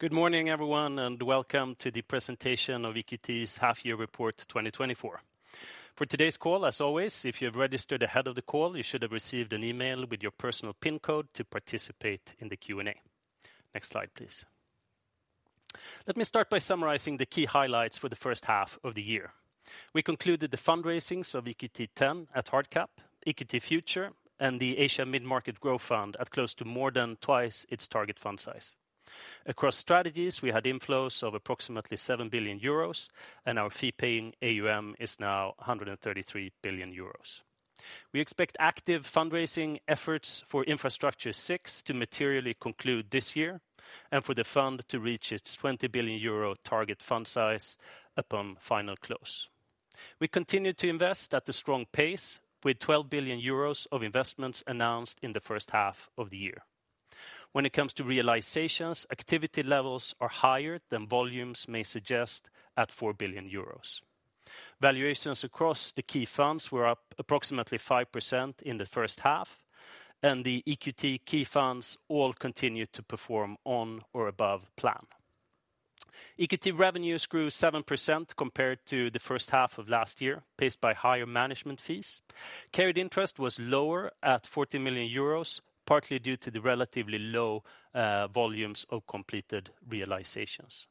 Good morning, everyone, and welcome to the Presentation of EQT's Half-year Report 2024. For today's call, as always, if you have registered ahead of the call, you should have received an email with your personal pin code to participate in the Q&A. Next slide, please. Let me start by summarizing the key highlights for the first half of the year. We concluded the fundraisings of EQT X at hard cap, EQT Future, and the Asia Mid-Market Growth Fund at close to more than twice its target fund size. Across strategies, we had inflows of approximately 7 billion euros, and our fee-paying AUM is now 133 billion euros. We expect active fundraising efforts for Infrastructure VI to materially conclude this year, and for the fund to reach its 20 billion euro target fund size upon final close. We continued to invest at a strong pace with 12 billion euros of investments announced in the first half of the year. When it comes to realizations, activity levels are higher than volumes may suggest at 4 billion euros. Valuations across the key funds were up approximately 5% in the first half, and the EQT key funds all continued to perform on or above plan. EQT revenues grew 7% compared to the first half of last year, paced by higher management fees. Carried interest was lower at 40 million euros, partly due to the relatively low volumes of completed realizations.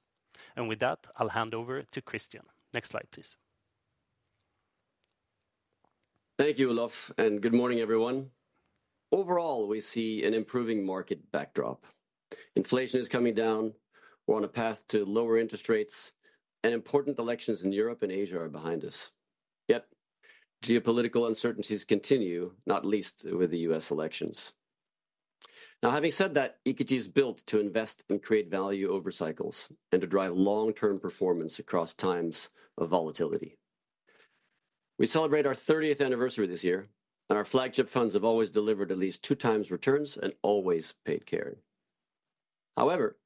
With that, I'll hand over to Christian. Next slide, please. Thank you, Olof, and good morning, everyone. Overall, we see an improving market backdrop. Inflation is coming down, we're on a path to lower interest rates, and important elections in Europe and Asia are behind us. Yet, geopolitical uncertainties continue, not least with the U.S. elections. Now, having said that, EQT is built to invest and create value over cycles and to drive long-term performance across times of volatility. We celebrate our thirtieth anniversary this year, and our flagship funds have always delivered at least 2x returns and always paid carried. However,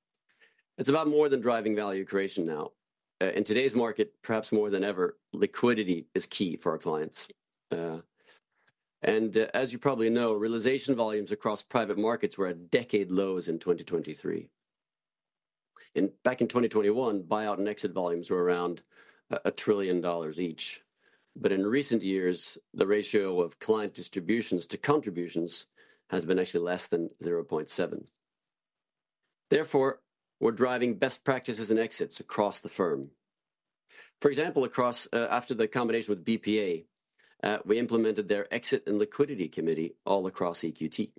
it's about more than driving value creation now. In today's market, perhaps more than ever, liquidity is key for our clients. And as you probably know, realization volumes across private markets were at decade lows in 2023. Back in 2021, buyout and exit volumes were around $1 trillion each. But in recent years, the ratio of client distributions to contributions has been actually less than 0.7. Therefore, we're driving best practices and exits across the firm. For example, across after the combination with BPEA, we implemented their exit and liquidity committee all across EQT.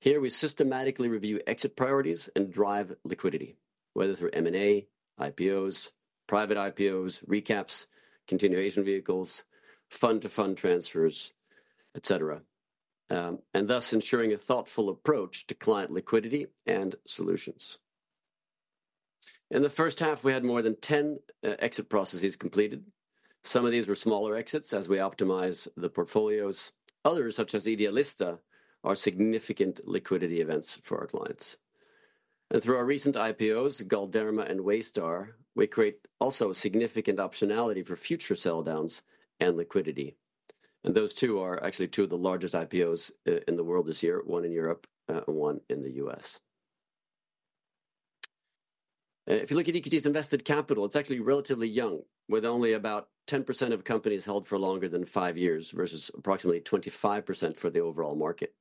Here, we systematically review exit priorities and drive liquidity, whether through M&A, IPOs, private IPOs, recaps, continuation vehicles, fund-to-fund transfers, et cetera, and thus ensuring a thoughtful approach to client liquidity and solutions. In the first half, we had more than 10 exit processes completed. Some of these were smaller exits as we optimize the portfolios. Others, such as Idealista, are significant liquidity events for our clients. And through our recent IPOs, Galderma and Waystar, we create also significant optionality for future sell downs and liquidity. Those two are actually two of the largest IPOs in the world this year, one in Europe, and one in the U.S. If you look at EQT's invested capital, it's actually relatively young, with only about 10% of companies held for longer than five years, versus approximately 25% for the overall market.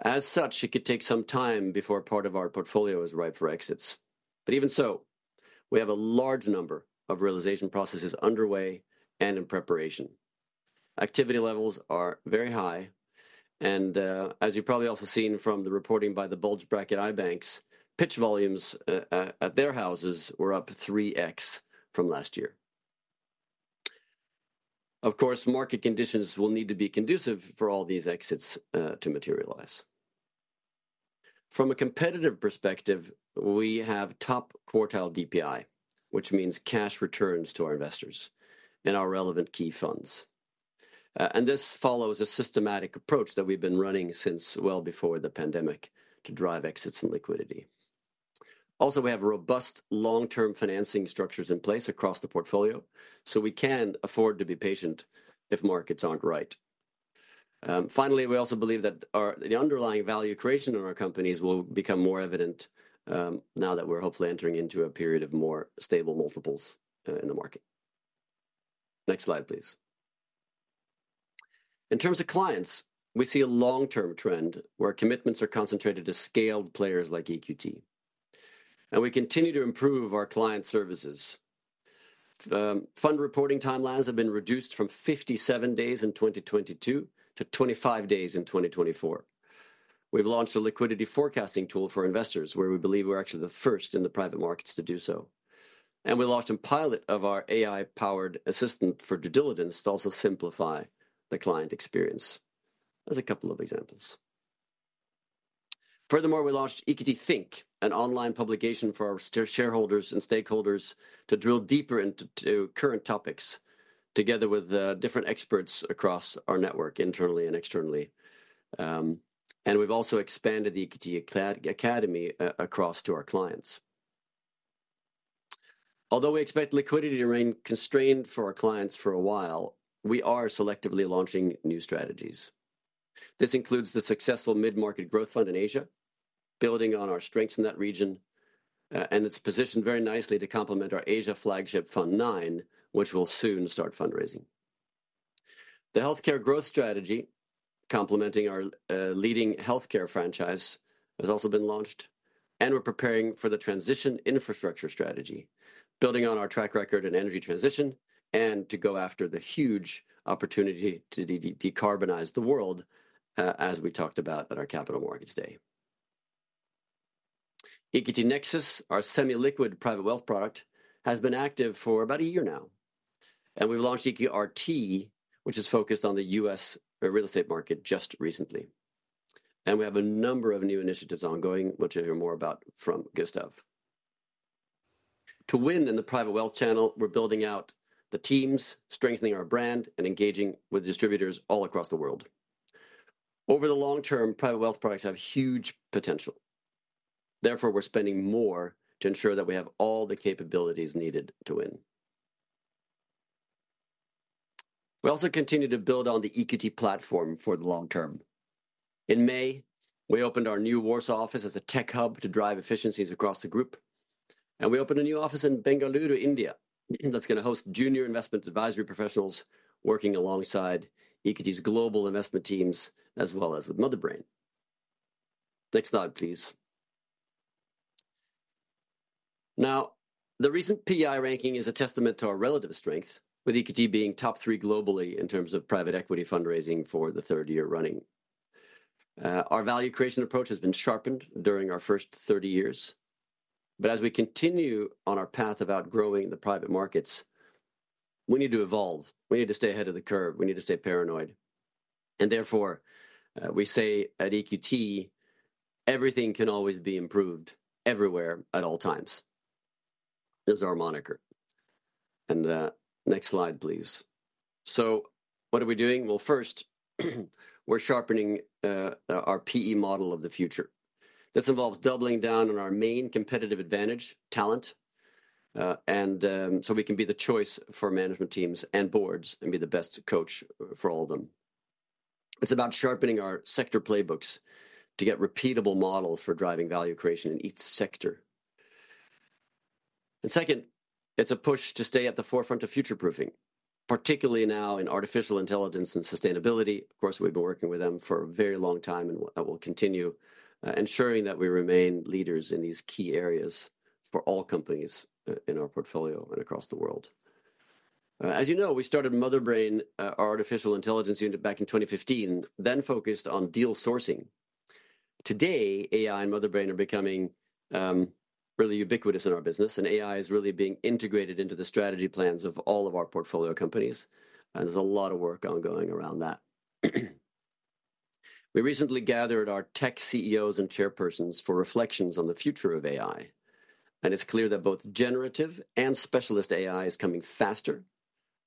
As such, it could take some time before part of our portfolio is ripe for exits. But even so, we have a large number of realization processes underway and in preparation. Activity levels are very high, and as you've probably also seen from the reporting by the Bulge Bracket IBs, pitch volumes at their houses were up 3x from last year. Of course, market conditions will need to be conducive for all these exits to materialize. From a competitive perspective, we have top-quartile DPI, which means cash returns to our investors and our relevant key funds. And this follows a systematic approach that we've been running since well before the pandemic to drive exits and liquidity. Also, we have robust long-term financing structures in place across the portfolio, so we can afford to be patient if markets aren't right. Finally, we also believe that the underlying value creation in our companies will become more evident, now that we're hopefully entering into a period of more stable multiples, in the market. Next slide, please. In terms of clients, we see a long-term trend where commitments are concentrated to scaled players like EQT, and we continue to improve our client services. Fund reporting timelines have been reduced from 57 days in 2022 to 25 days in 2024. We've launched a liquidity forecasting tool for investors, where we believe we're actually the first in the private markets to do so. We launched a pilot of our AI-powered assistant for due diligence to also simplify the client experience. There's a couple of examples. Furthermore, we launched EQT Think, an online publication for our shareholders and stakeholders to drill deeper into current topics, together with different experts across our network, internally and externally. And we've also expanded the EQT Academy across to our clients. Although we expect liquidity to remain constrained for our clients for a while, we are selectively launching new strategies. This includes the successful mid-market growth fund in Asia, building on our strengths in that region, and it's positioned very nicely to complement our Asia flagship Fund IX, which will soon start fundraising. The healthcare growth strategy, complementing our leading healthcare franchise, has also been launched, and we're preparing for the transition infrastructure strategy, building on our track record in energy transition, and to go after the huge opportunity to decarbonize the world, as we talked about at our Capital Markets Day. EQT Nexus, our semi-liquid private wealth product, has been active for about a year now, and we've launched EQRT, which is focused on the U.S. real estate market, just recently. We have a number of new initiatives ongoing, which you'll hear more about from Gustav. To win in the private wealth channel, we're building out the teams, strengthening our brand, and engaging with distributors all across the world. Over the long term, private wealth products have huge potential; therefore, we're spending more to ensure that we have all the capabilities needed to win. We also continue to build on the EQT platform for the long term. In May, we opened our new Warsaw office as a tech hub to drive efficiencies across the group, and we opened a new office in Bengaluru, India, that's gonna host junior investment advisory professionals working alongside EQT's global investment teams, as well as with Motherbrain. Next slide, please. Now, the recent PEI ranking is a testament to our relative strength, with EQT being top three globally in terms of private equity fundraising for the third year running. Our value creation approach has been sharpened during our first 30 years, but as we continue on our path of outgrowing the private markets, we need to evolve. We need to stay ahead of the curve. We need to stay paranoid, and therefore, we say at EQT, "Everything can always be improved, everywhere, at all times." This is our moniker. Next slide, please. So what are we doing? Well, first, we're sharpening our PE model of the future. This involves doubling down on our main competitive advantage, talent, and so we can be the choice for management teams and boards, and be the best coach for all of them. It's about sharpening our sector playbooks to get repeatable models for driving value creation in each sector. Second, it's a push to stay at the forefront of future-proofing, particularly now in artificial intelligence and sustainability. Of course, we've been working with them for a very long time, and we'll continue ensuring that we remain leaders in these key areas for all companies in our portfolio and across the world. As you know, we started Motherbrain, our artificial intelligence unit, back in 2015, then focused on deal sourcing. Today, AI and Motherbrain are becoming really ubiquitous in our business, and AI is really being integrated into the strategy plans of all of our portfolio companies, and there's a lot of work ongoing around that. We recently gathered our tech CEOs and chairpersons for reflections on the future of AI,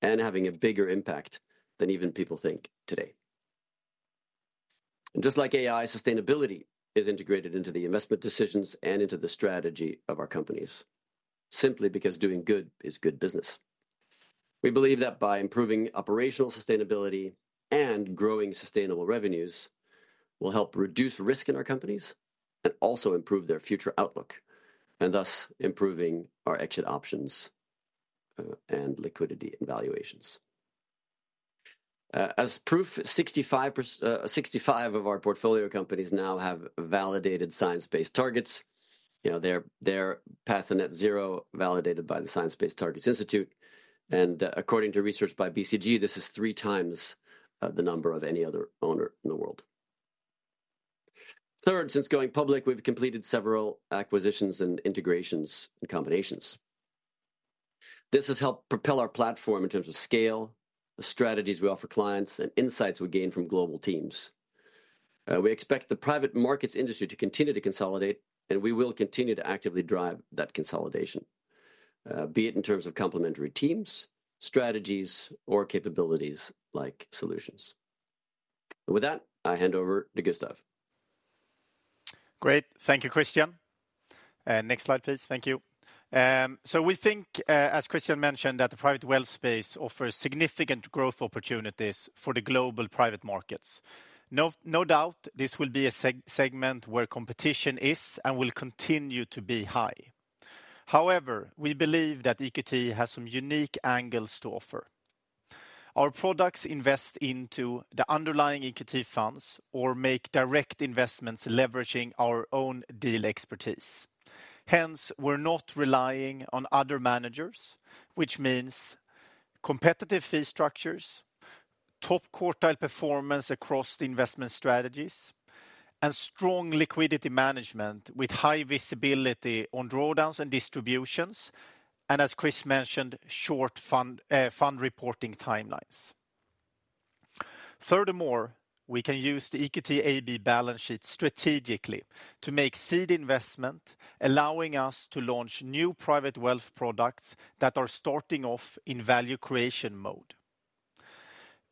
and it's clear that both generative and specialist AI is coming faster and having a bigger impact than even people think today. Just like AI, sustainability is integrated into the investment decisions and into the strategy of our companies, simply because doing good is good business. We believe that by improving operational sustainability and growing sustainable revenues, we'll help reduce risk in our companies and also improve their future outlook, and thus improving our exit options, and liquidity, and valuations. As proof, 65 of our portfolio companies now have validated science-based targets. You know, their path to net zero validated by the Science Based Targets Institute, and according to research by BCG, this is three times the number of any other owner in the world. Third, since going public, we've completed several acquisitions and integrations and combinations. This has helped propel our platform in terms of scale, the strategies we offer clients, and insights we gain from global teams. We expect the private markets industry to continue to consolidate, and we will continue to actively drive that consolidation, be it in terms of complementary teams, strategies, or capabilities like solutions. With that, I hand over to Gustav. Great. Thank you, Christian. Next slide, please. Thank you. So we think, as Christian mentioned, that the private wealth space offers significant growth opportunities for the global private markets. No doubt this will be a segment where competition is and will continue to be high. However, we believe that EQT has some unique angles to offer. Our products invest into the underlying EQT funds or make direct investments leveraging our own deal expertise. Hence, we're not relying on other managers, which means competitive fee structures, top quartile performance across the investment strategies, and strong liquidity management with high visibility on drawdowns and distributions, and as Chris mentioned, short fund reporting timelines. Furthermore, we can use the EQT AB balance sheet strategically to make seed investment, allowing us to launch new private wealth products that are starting off in value creation mode.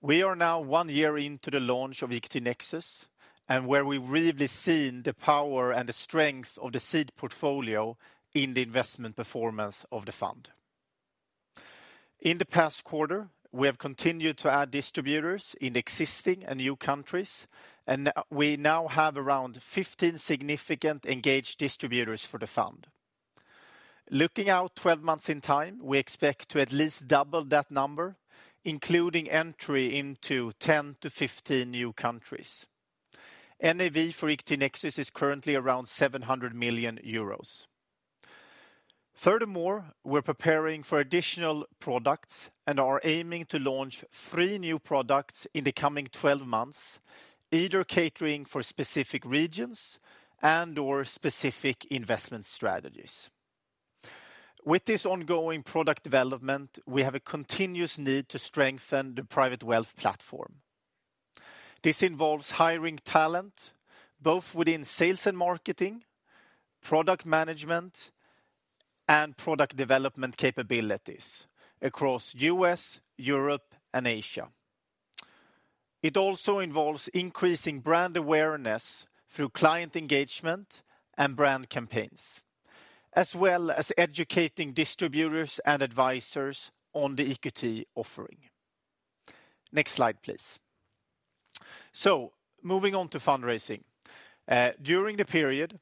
We are now 1 year into the launch of EQT Nexus, and where we've really seen the power and the strength of the seed portfolio in the investment performance of the fund. In the past quarter, we have continued to add distributors in existing and new countries, and we now have around 15 significant engaged distributors for the fund. Looking out 12 months in time, we expect to at least double that number, including entry into 10 to 15 new countries. NAV for EQT Nexus is currently around 700 million euros. Furthermore, we're preparing for additional products and are aiming to launch three new products in the coming 12 months, either catering for specific regions and/or specific investment strategies. With this ongoing product development, we have a continuous need to strengthen the private wealth platform. This involves hiring talent, both within sales and marketing, product management, and product development capabilities across U.S., Europe, and Asia. It also involves increasing brand awareness through client engagement and brand campaigns, as well as educating distributors and advisors on the EQT offering. Next slide, please. Moving on to fundraising. During the period,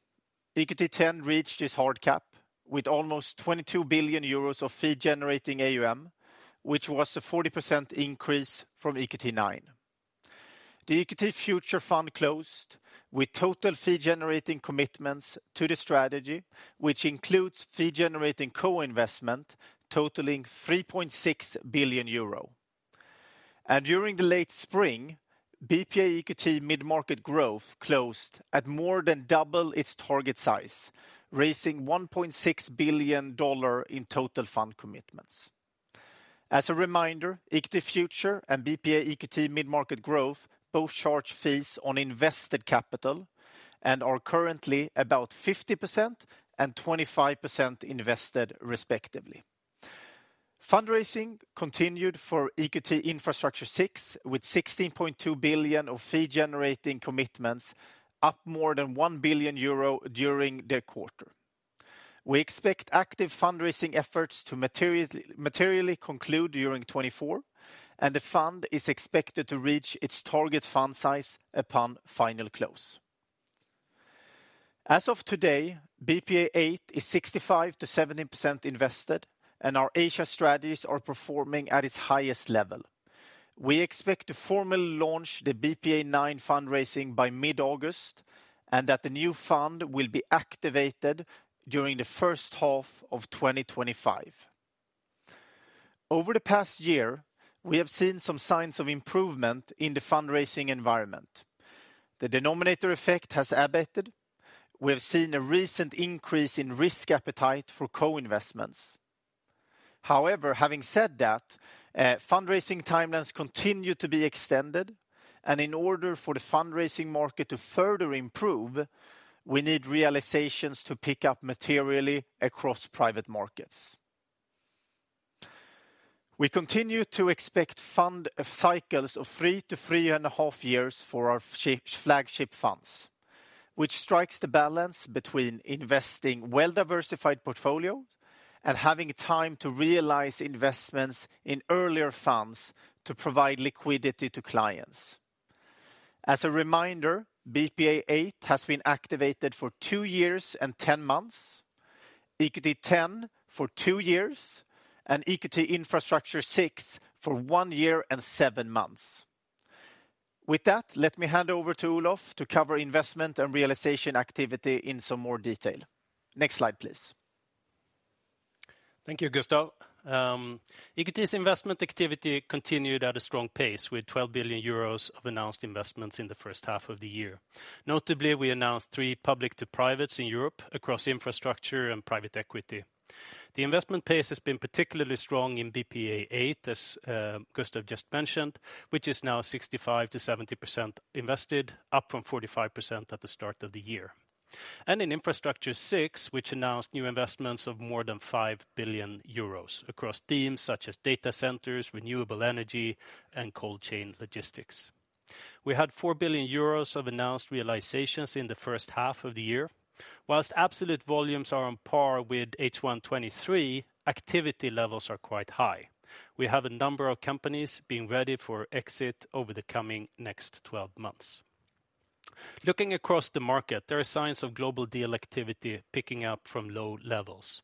EQT X reached its hard cap with almost 22 billion euros of fee-generating AUM, which was a 40% increase from EQT IX. The EQT Future Fund closed with total fee-generating commitments to the strategy, which includes fee-generating co-investment totaling 3.6 billion euro. And during the late spring, BPEA EQT Mid-Market Growth closed at more than double its target size, raising $1.6 billion in total fund commitments. As a reminder, EQT Future and BPEA EQT Mid-Market Growth both charge fees on invested capital and are currently about 50% and 25% invested, respectively. Fundraising continued for EQT Infrastructure VI, with 16.2 billion of fee-generating commitments, up more than 1 billion euro during the quarter. We expect active fundraising efforts to materially conclude during 2024, and the fund is expected to reach its target fund size upon final close. As of today, BPEA VIII is 65% to 70% invested, and our Asia strategies are performing at its highest level. We expect to formally launch the BPEA IX fundraising by mid-August, and that the new fund will be activated during the first half of 2025. Over the past year, we have seen some signs of improvement in the fundraising environment. The denominator effect has abated. We have seen a recent increase in risk appetite for co-investments. However, having said that, fundraising timelines continue to be extended, and in order for the fundraising market to further improve, we need realizations to pick up materially across private markets. We continue to expect fund cycles of 3 to 3.5 years for our flagship funds, which strikes the balance between investing well-diversified portfolio and having time to realize investments in earlier funds to provide liquidity to clients. As a reminder, BPEA VIII has been activated for two years and 10 months, EQT X for two years, and EQT Infrastructure VI for one year and seven months. With that, let me hand over to Olof to cover investment and realization activity in some more detail. Next slide, please. Thank you, Gustav. EQT's investment activity continued at a strong pace, with 12 billion euros of announced investments in the first half of the year. Notably, we announced three public to privates in Europe across infrastructure and private equity. The investment pace has been particularly strong in BPEA VIII, as Gustav just mentioned, which is now 65% to 70% invested, up from 45% at the start of the year. And in Infrastructure VI, which announced new investments of more than 5 billion euros across themes such as data centers, renewable energy, and cold chain logistics. We had 4 billion euros of announced realizations in the first half of the year. While absolute volumes are on par with H1 2023, activity levels are quite high. We have a number of companies being ready for exit over the coming next twelve months. Looking across the market, there are signs of global deal activity picking up from low levels.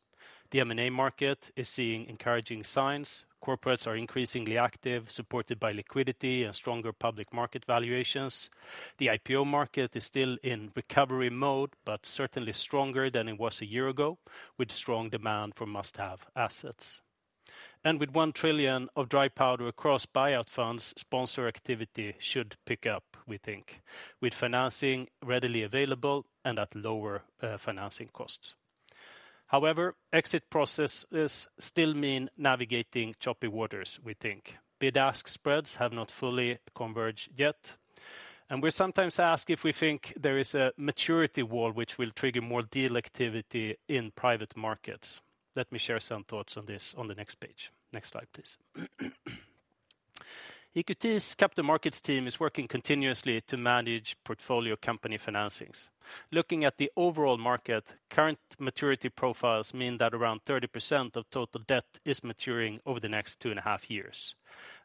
The M&A market is seeing encouraging signs. Corporates are increasingly active, supported by liquidity and stronger public market valuations. The IPO market is still in recovery mode, but certainly stronger than it was a year ago, with strong demand for must-have assets. With $1 trillion of dry powder across buyout funds, sponsor activity should pick up, we think, with financing readily available and at lower financing costs. However, exit processes still mean navigating choppy waters, we think. Bid-ask spreads have not fully converged yet. We sometimes ask if we think there is a maturity wall which will trigger more deal activity in private markets. Let me share some thoughts on this on the next page. Next slide, please. EQT's capital markets team is working continuously to manage portfolio company financings. Looking at the overall market, current maturity profiles mean that around 30% of total debt is maturing over the next 2.5 years.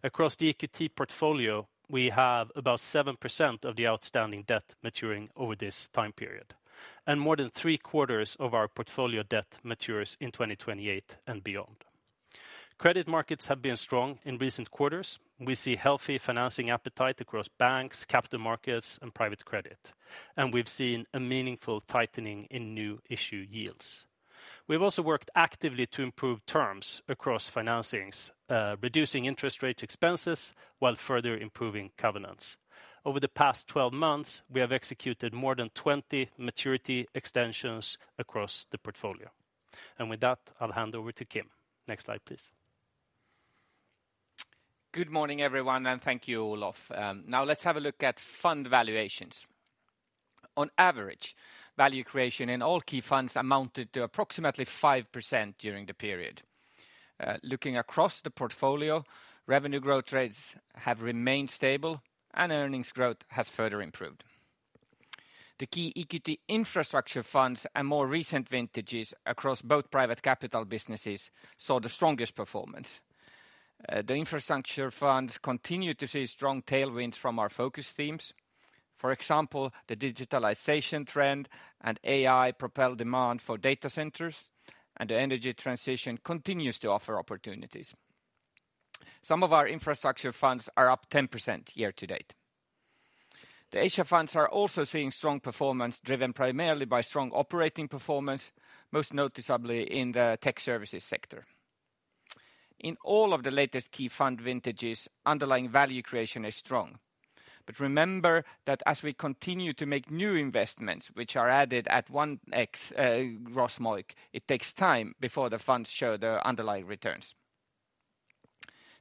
Across the EQT portfolio, we have about 7% of the outstanding debt maturing over this time period, and more than three quarters of our portfolio debt matures in 2028 and beyond. Credit markets have been strong in recent quarters. We see healthy financing appetite across banks, capital markets, and private credit, and we've seen a meaningful tightening in new issue yields. We've also worked actively to improve terms across financings, reducing interest rate expenses, while further improving covenants. Over the past 12 months, we have executed more than 20 maturity extensions across the portfolio. And with that, I'll hand over to Kim. Next slide, please. Good morning, everyone, and thank you, Olof. Now let's have a look at fund valuations. On average, value creation in all key funds amounted to approximately 5% during the period. Looking across the portfolio, revenue growth rates have remained stable and earnings growth has further improved. The key EQT infrastructure funds and more recent vintages across both private capital businesses saw the strongest performance. The infrastructure funds continue to see strong tailwinds from our focus themes. For example, the digitalization trend and AI propel demand for data centers, and the energy transition continues to offer opportunities. Some of our infrastructure funds are up 10% year to date. The Asia funds are also seeing strong performance, driven primarily by strong operating performance, most noticeably in the tech services sector. In all of the latest key fund vintages, underlying value creation is strong. But remember that as we continue to make new investments, which are added at 1x, gross MOIC, it takes time before the funds show the underlying returns.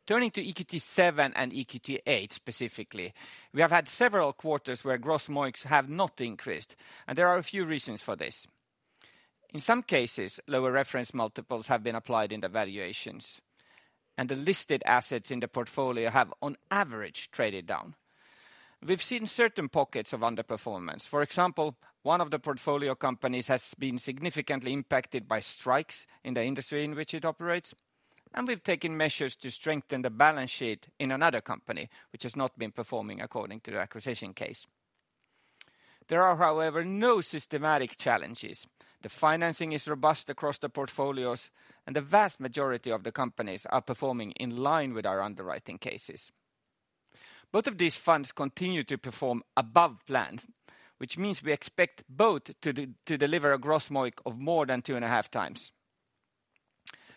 Turning to EQT VII and EQT VIII, specifically, we have had several quarters where gross MOICs have not increased, and there are a few reasons for this. In some cases, lower reference multiples have been applied in the valuations, and the listed assets in the portfolio have, on average, traded down. We've seen certain pockets of underperformance. For example, one of the portfolio companies has been significantly impacted by strikes in the industry in which it operates, and we've taken measures to strengthen the balance sheet in another company, which has not been performing according to the acquisition case. There are, however, no systematic challenges. The financing is robust across the portfolios, and the vast majority of the companies are performing in line with our underwriting cases. Both of these funds continue to perform above plan, which means we expect both to deliver a gross MOIC of more than 2.5 times.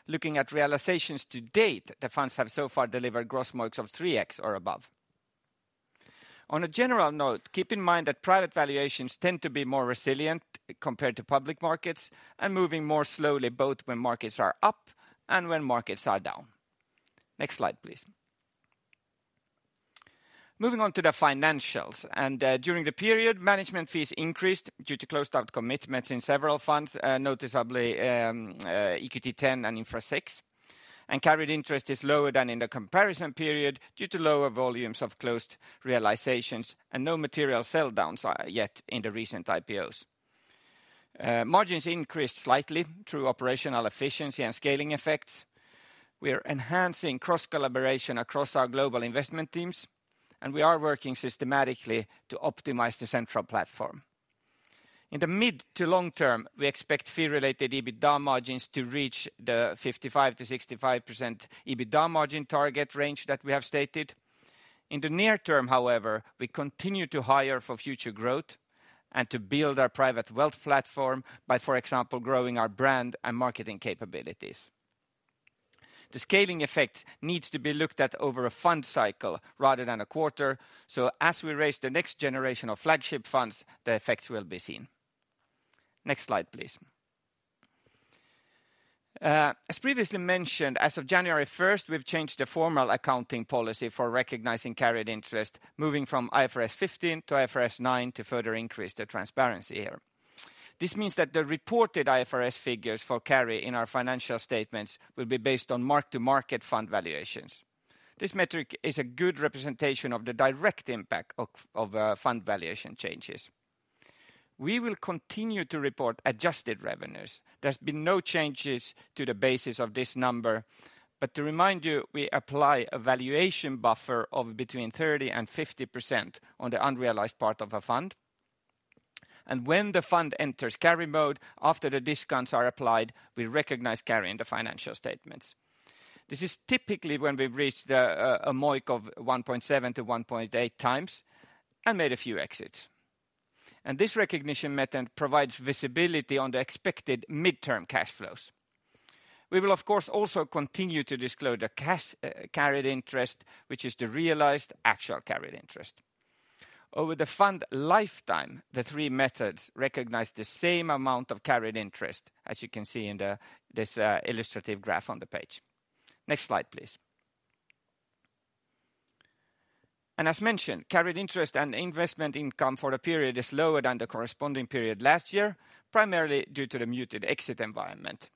Looking at realizations to date, the funds have so far delivered gross MOICs of 3x or above. On a general note, keep in mind that private valuations tend to be more resilient compared to public markets and moving more slowly, both when markets are up and when markets are down. Next slide, please. Moving on to the financials, and during the period, management fees increased due to closed out commitments in several funds, noticeably, EQT X and Infra VI. Carried interest is lower than in the comparison period due to lower volumes of closed realizations and no material sell downs yet in the recent IPOs. Margins increased slightly through operational efficiency and scaling effects. We are enhancing cross-collaboration across our global investment teams, and we are working systematically to optimize the central platform. In the mid to long term, we expect fee-related EBITDA margins to reach the 55% to 65% EBITDA margin target range that we have stated. In the near term, however, we continue to hire for future growth and to build our private wealth platform by, for example, growing our brand and marketing capabilities. The scaling effect needs to be looked at over a fund cycle rather than a quarter, so as we raise the next generation of flagship funds, the effects will be seen. Next slide, please. As previously mentioned, as of January first, we've changed the formal accounting policy for recognizing carried interest, moving from IFRS 15 to IFRS 9 to further increase the transparency here. This means that the reported IFRS figures for carry in our financial statements will be based on mark-to-market fund valuations. This metric is a good representation of the direct impact of fund valuation changes. We will continue to report adjusted revenues. There's been no changes to the basis of this number, but to remind you, we apply a valuation buffer of between 30% to 50% on the unrealized part of a fund. And when the fund enters carry mode, after the discounts are applied, we recognize carry in the financial statements. This is typically when we've reached a MOIC of 1.7x to 1.8x and made a few exits. This recognition method provides visibility on the expected midterm cash flows. We will, of course, also continue to disclose the cash carried interest, which is the realized actual carried interest. Over the fund lifetime, the three methods recognize the same amount of carried interest, as you can see in this illustrative graph on the page. Next slide, please. As mentioned, carried interest and investment income for the period is lower than the corresponding period last year, primarily due to the muted exit environment.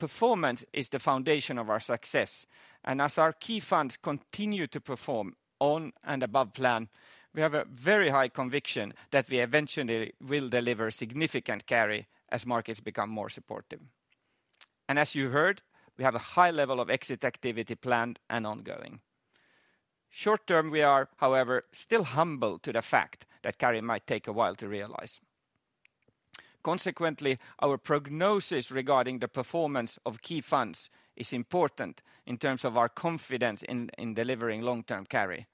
Performance is the foundation of our success, and as our key funds continue to perform on and above plan, we have a very high conviction that we eventually will deliver significant carry as markets become more supportive. As you heard, we have a high level of exit activity planned and ongoing. Short term, we are, however, still humble to the fact that carry might take a while to realize. Consequently, our prognosis regarding the performance of key funds is important in terms of our confidence in, in delivering long-term carry.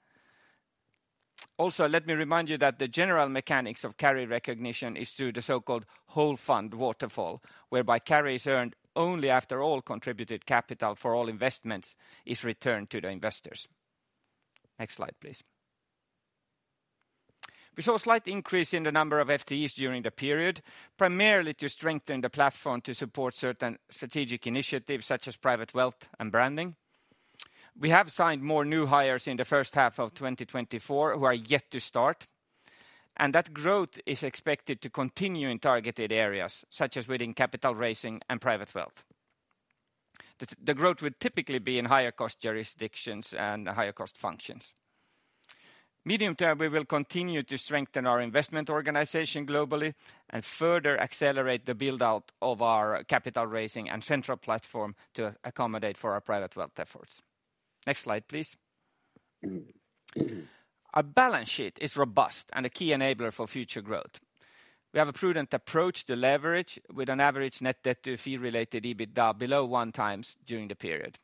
Also, let me remind you that the general mechanics of carry recognition is through the so-called whole fund waterfall, whereby carry is earned only after all contributed capital for all investments is returned to the investors. Next slide, please. We saw a slight increase in the number of FTEs during the period, primarily to strengthen the platform to support certain strategic initiatives, such as private wealth and branding. We have signed more new hires in the first half of 2024 who are yet to start, and that growth is expected to continue in targeted areas, such as within capital raising and private wealth. The growth would typically be in higher cost jurisdictions and higher cost functions. Medium term, we will continue to strengthen our investment organization globally and further accelerate the build-out of our capital raising and central platform to accommodate for our private wealth efforts. Next slide, please. Our balance sheet is robust and a key enabler for future growth. We have a prudent approach to leverage, with an average net debt to fee-related EBITDA below 1x during the period.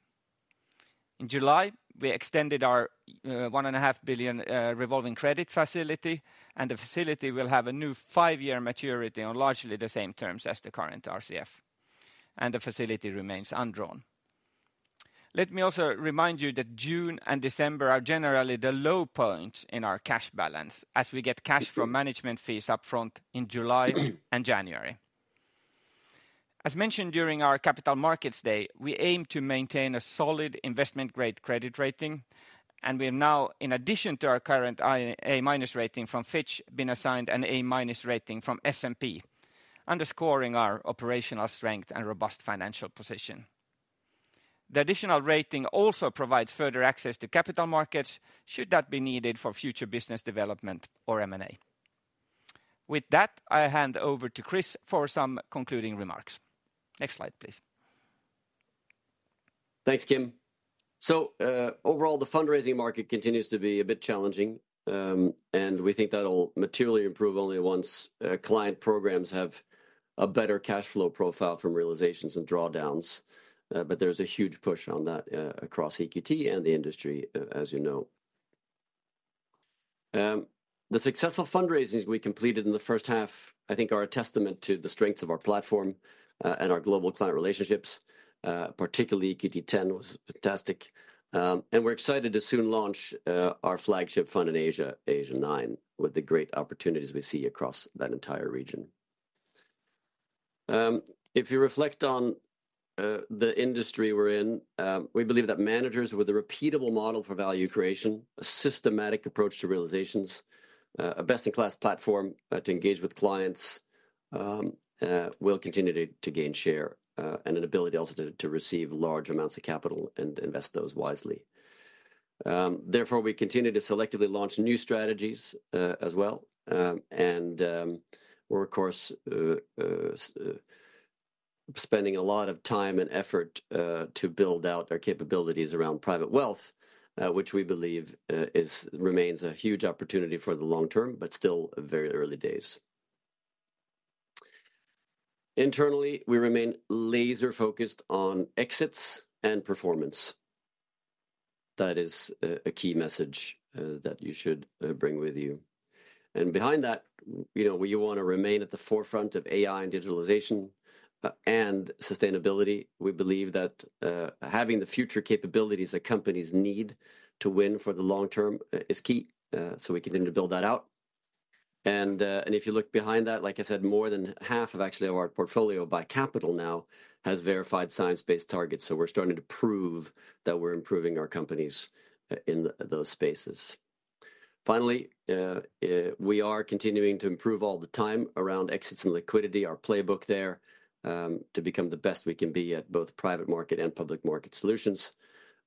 In July, we extended our 1.5 billion revolving credit facility, and the facility will have a new five-year maturity on largely the same terms as the current RCF, and the facility remains undrawn. Let me also remind you that June and December are generally the low points in our cash balance, as we get cash from management fees upfront in July and January. As mentioned during our Capital Markets Day, we aim to maintain a solid investment-grade credit rating, and we have now, in addition to our current A-minus rating from Fitch, been assigned an A-minus rating from S&P, underscoring our operational strength and robust financial position. The additional rating also provides further access to capital markets, should that be needed for future business development or M&A. With that, I hand over to Chris for some concluding remarks. Next slide, please. Thanks, Kim. So, overall, the fundraising market continues to be a bit challenging, and we think that'll materially improve only once client programs have a better cash flow profile from realizations and drawdowns. There's a huge push on that across EQT and the industry, as you know. The successful fundraisings we completed in the first half, I think, are a testament to the strengths of our platform and our global client relationships. Particularly, EQT X was fantastic, and we're excited to soon launch our flagship fund in Asia, Asia IX, with the great opportunities we see across that entire region. If you reflect on the industry we're in, we believe that managers with a repeatable model for value creation, a systematic approach to realizations, a best-in-class platform to engage with clients, will continue to gain share, and an ability also to receive large amounts of capital and invest those wisely. Therefore, we continue to selectively launch new strategies as well. We're, of course, spending a lot of time and effort to build out our capabilities around private wealth, which we believe is... remains a huge opportunity for the long term, but still very early days. Internally, we remain laser-focused on exits and performance. That is a key message that you should bring with you. And behind that, you know, we wanna remain at the forefront of AI and digitalization, and sustainability. We believe that, having the future capabilities that companies need to win for the long term, is key, so we continue to build that out. And if you look behind that, like I said, more than half of actually our portfolio by capital now has verified science-based targets, so we're starting to prove that we're improving our companies, in those spaces. Finally, we are continuing to improve all the time around exits and liquidity, our playbook there, to become the best we can be at both private market and public market solutions.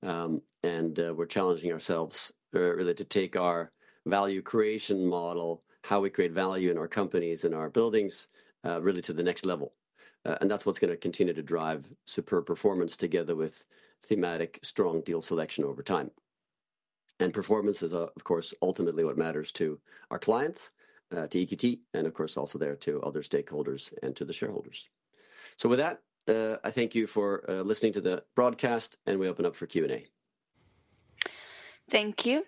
And, we're challenging ourselves, really to take our value creation model, how we create value in our companies and our buildings, really to the next level. That's what's gonna continue to drive superb performance together with thematic strong deal selection over time. Performance is, of course, ultimately what matters to our clients, to EQT, and of course, also there to other stakeholders and to the shareholders. With that, I thank you for listening to the broadcast, and we open up for Q&A. Thank you.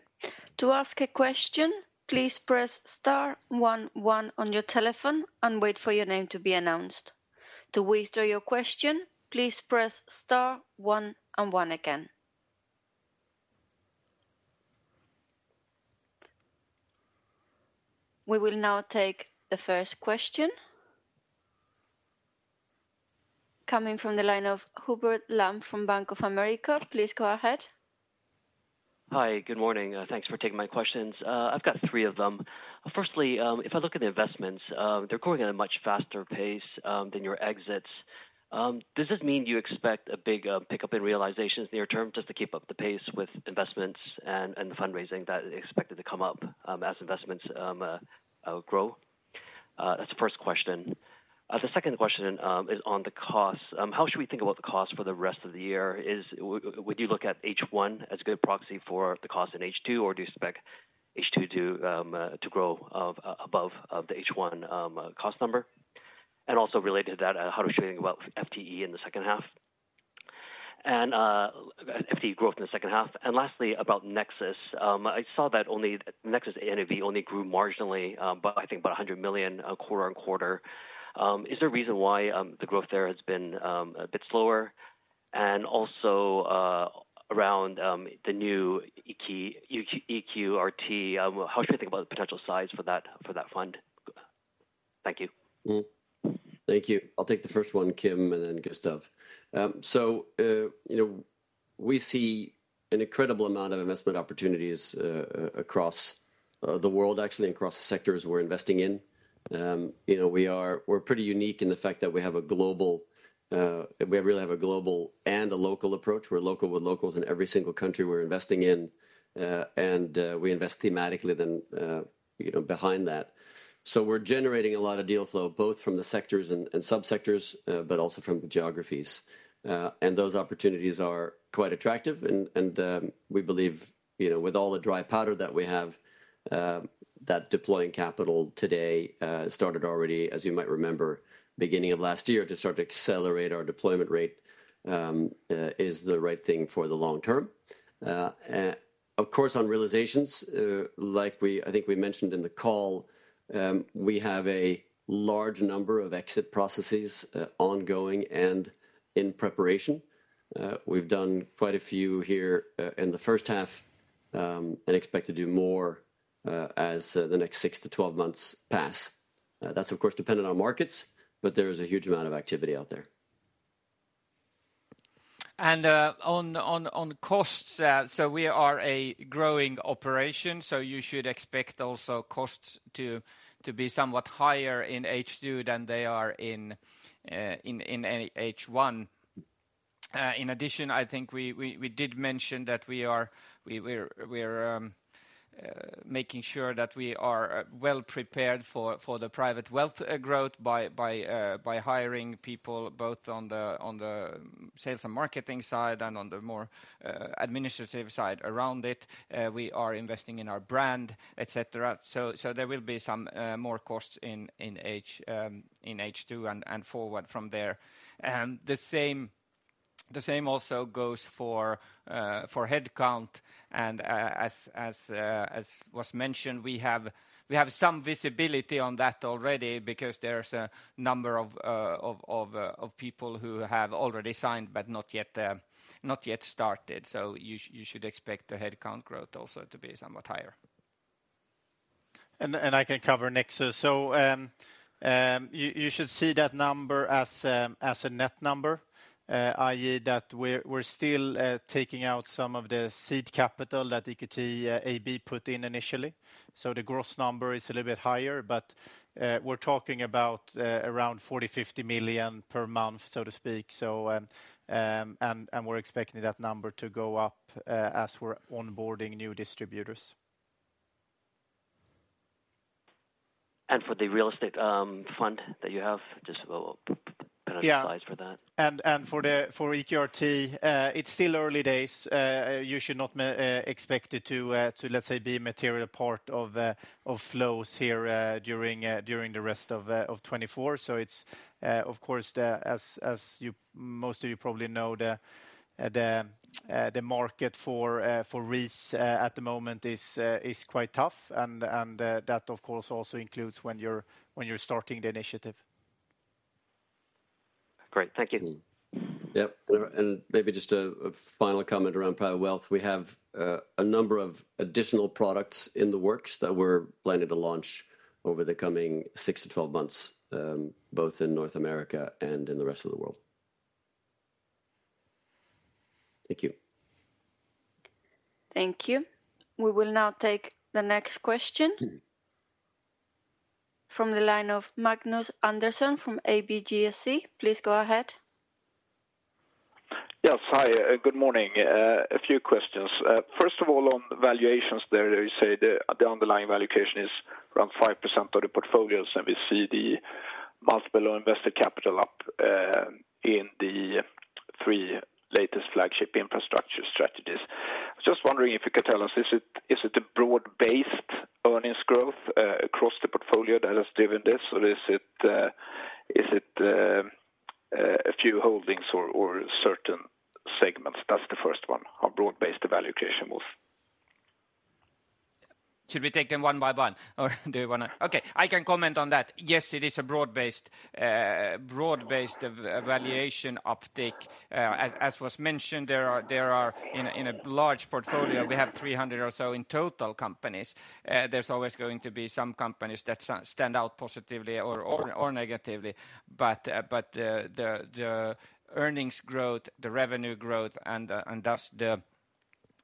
To ask a question, please press star one one on your telephone and wait for your name to be announced. To withdraw your question, please press star one and one again. We will now take the first question. Coming from the line of Hubert Lam from Bank of America, please go ahead. Hi, good morning. Thanks for taking my questions. I've got three of them. Firstly, if I look at the investments, they're growing at a much faster pace than your exits. Does this mean you expect a big pickup in realizations near term, just to keep up the pace with investments and the fundraising that is expected to come up, as investments grow? That's the first question. The second question is on the costs. How should we think about the costs for the rest of the year? Would you look at H1 as a good proxy for the cost in H2, or do you expect H2 to grow above the H1 cost number? Also related to that, how are we thinking about FTE in the second half? And FTE growth in the second half. Lastly, about Nexus. I saw that only Nexus NAV only grew marginally, by I think about 100 million, quarter-over-quarter. Is there a reason why the growth there has been a bit slower? Also, around the new EQRT, EQRT, how should we think about the potential size for that fund? Thank you. Mm-hmm. Thank you. I'll take the first one, Kim, and then Gustav. So, you know, we see an incredible amount of investment opportunities across the world, actually across the sectors we're investing in. You know, we're pretty unique in the fact that we have a global, we really have a global and a local approach. We're local with locals in every single country we're investing in, and we invest thematically then, you know, behind that. So we're generating a lot of deal flow, both from the sectors and subsectors, but also from geographies. And those opportunities are quite attractive, and we believe, you know, with all the dry powder that we have, that deploying capital today started already, as you might remember, beginning of last year, to start to accelerate our deployment rate, is the right thing for the long term. Of course, on realizations, like we... I think we mentioned in the call, we have a large number of exit processes ongoing and in preparation. We've done quite a few here in the first half, and expect to do more, as the next 6 to 12 months pass. That's of course dependent on markets, but there is a huge amount of activity out there. And, on costs, so we are a growing operation, so you should expect costs to be somewhat higher in H2 than they are in H1. In addition, I think we did mention that we are making sure that we are well prepared for the private wealth growth by hiring people both on the sales and marketing side and on the more administrative side around it. We are investing in our brand, et cetera. So there will be some more costs in H2 and forward from there. And the same also goes for headcount, and, as was mentioned, we have some visibility on that already because there's a number of people who have already signed but not yet started. So you should expect the headcount growth also to be somewhat higher. I can cover Nexus. So, you should see that number as a net number, i.e., that we're still taking out some of the seed capital that EQT AB put in initially. So the gross number is a little bit higher, but we're talking about around 40 to 50 million per month, so to speak. So we're expecting that number to go up as we're onboarding new distributors. For the real estate fund that you have, just a little kind of size for that? Yeah. And for the, for EQT RT, it's still early days. You should not expect it to, let's say, be a material part of flows here, during the rest of 2024. So it's, of course, the... As most of you probably know, the market for REITs at the moment is quite tough, and that, of course, also includes when you're starting the initiative. Great. Thank you. Mm-hmm. Yep, and maybe just a final comment around private wealth. We have a number of additional products in the works that we're planning to launch over the coming 6 to 12 months, both in North America and in the rest of the world. Thank you. Thank you. We will now take the next question from the line of Magnus Andersson from ABGSC. Please go ahead. Yes. Hi, good morning. A few questions. First of all, on valuations there, you say the underlying valuation is around 5% of the portfolios, and we see the multiple on invested capital up in the three latest flagship infrastructure strategies. Just wondering if you could tell us, is it a broad-based earnings growth across the portfolio that has driven this? Or is it a few holdings or certain segments? That's the first one. How broad-based the valuation was? Should we take them one by one, or do you wanna? Okay, I can comment on that. Yes, it is a broad-based, broad-based, valuation uptick. As was mentioned, there are in a large portfolio, we have 300 or so in total companies. There's always going to be some companies that stand out positively or negatively, but, but the earnings growth, the revenue growth, and thus the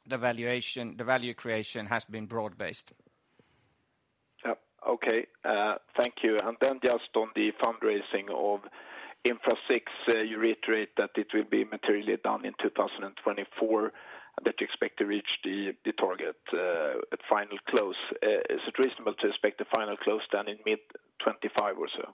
valuation, the value creation has been broad-based. Yep. Okay. Thank you. And then just on the fundraising of Infra VI, you reiterate that it will be materially down in 2024, that you expect to reach the target at final close. Is it reasonable to expect the final close down in mid-2025 or so?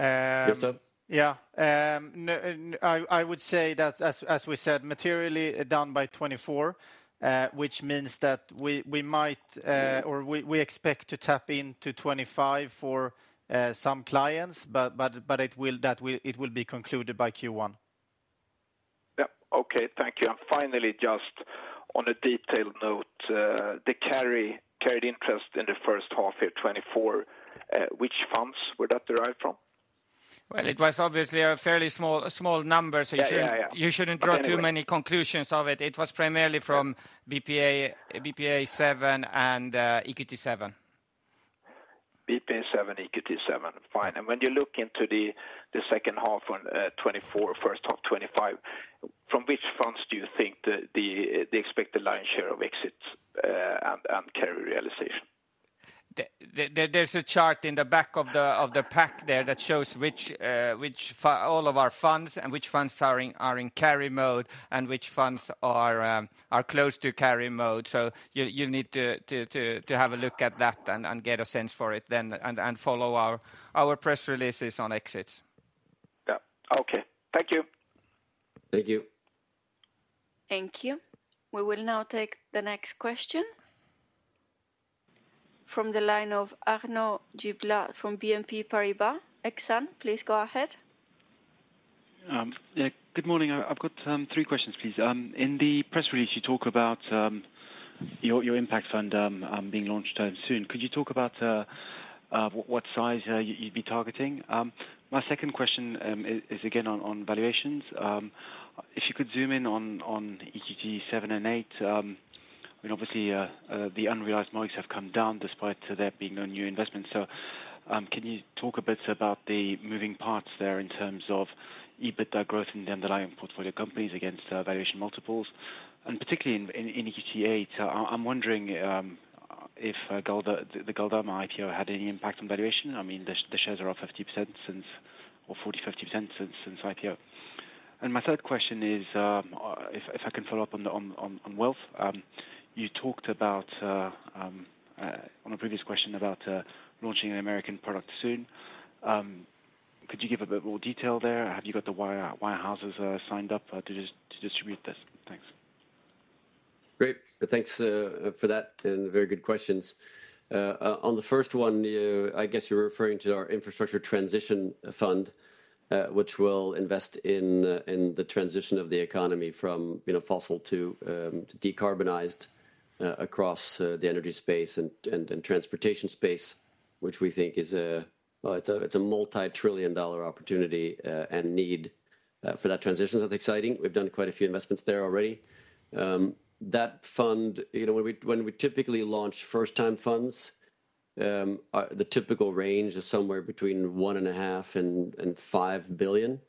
Uh- Yes, sir. Yeah. I would say that as we said, materially down by 2024, which means that we might or we expect to tap into 2025 for some clients, but it will... That will - it will be concluded by Q1. Yep. Okay, thank you. And finally, just on a detailed note, the carry, carried interest in the first half year 2024, which funds were that derived from? Well, it was obviously a fairly small, small number- Yeah, yeah, yeah So you shouldn't draw- Okay, anyway -too many conclusions of it. It was primarily from BPEA, BPEA VII, and EQT VII. BPEA VII, EQT VII, fine. And when you look into the second half of 2024, first half of 2025, from which funds do you think the expected lion's share of exits and carry realization? There's a chart in the back of the pack there that shows all of our funds and which funds are in carry mode, and which funds are close to carry mode. So you need to have a look at that and get a sense for it then, and follow our press releases on exits. Yeah. Okay. Thank you. Thank you. Thank you. We will now take the next question from the line of Arnaud Giblat from BNP Paribas. Arnaud, please go ahead. Yeah, good morning. I've got three questions, please. In the press release, you talk about your impact fund being launched soon. Could you talk about what size you'd be targeting? My second question is again on valuations. If you could zoom in on EQT VII and VIII, I mean, obviously, the unrealized MOICs have come down despite there being no new investments. So, can you talk a bit about the moving parts there in terms of EBITDA growth in the underlying portfolio companies against valuation multiples? And particularly in EQT VIII, I'm wondering if Galderma, the Galderma IPO had any impact on valuation? I mean, the shares are off 50% since or 40, 50% since IPO. My third question is, if I can follow up on the wealth, you talked about on a previous question about launching an American product soon. Could you give a bit more detail there? Have you got the wirehouses signed up to distribute this? Thanks. Great. Thanks for that, and very good questions. On the first one, I guess you're referring to our infrastructure transition fund, which will invest in the transition of the economy from, you know, fossil to decarbonized, across the energy space and transportation space, which we think is a, well, it's a, it's a multi-trillion-dollar opportunity, and need for that transition. That's exciting. We've done quite a few investments there already. That fund, you know, when we typically launch first-time funds, the typical range is somewhere between 1.5 billion and 5 billion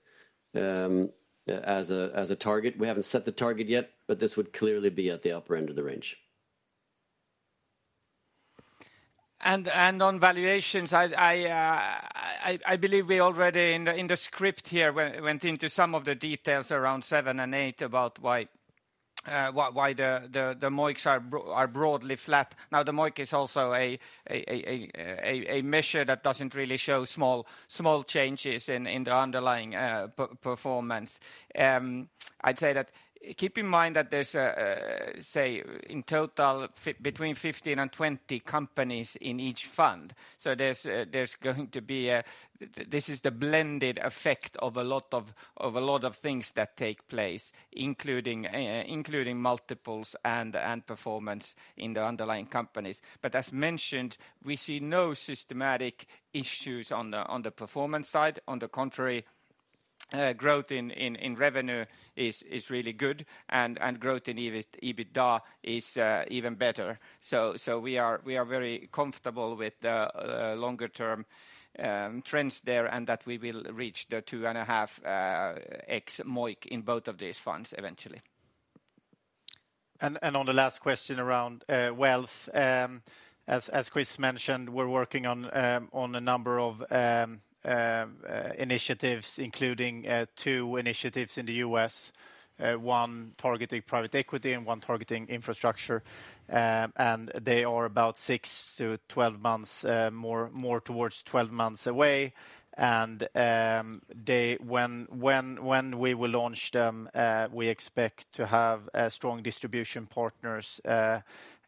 as a target. We haven't set the target yet, but this would clearly be at the upper end of the range. On valuations, I believe we already in the script here went into some of the details around Seven and Eight about why the MOICs are broadly flat. Now, the MOIC is also a measure that doesn't really show small changes in the underlying performance. I'd say, keep in mind that there's, say, in total, between 15 and 20 companies in each fund. So there's going to be a. This is the blended effect of a lot of things that take place, including multiples and performance in the underlying companies. But as mentioned, we see no systematic issues on the performance side. On the contrary, growth in revenue is really good, and growth in EBITDA is even better. So we are very comfortable with the longer term trends there, and that we will reach the 2.5x MOIC in both of these funds eventually. On the last question around wealth, as Chris mentioned, we're working on a number of initiatives, including two initiatives in the U.S., one targeting private equity and one targeting infrastructure, and they are about 6 to 12 months, more towards 12 months away. When we will launch them, we expect to have strong distribution partners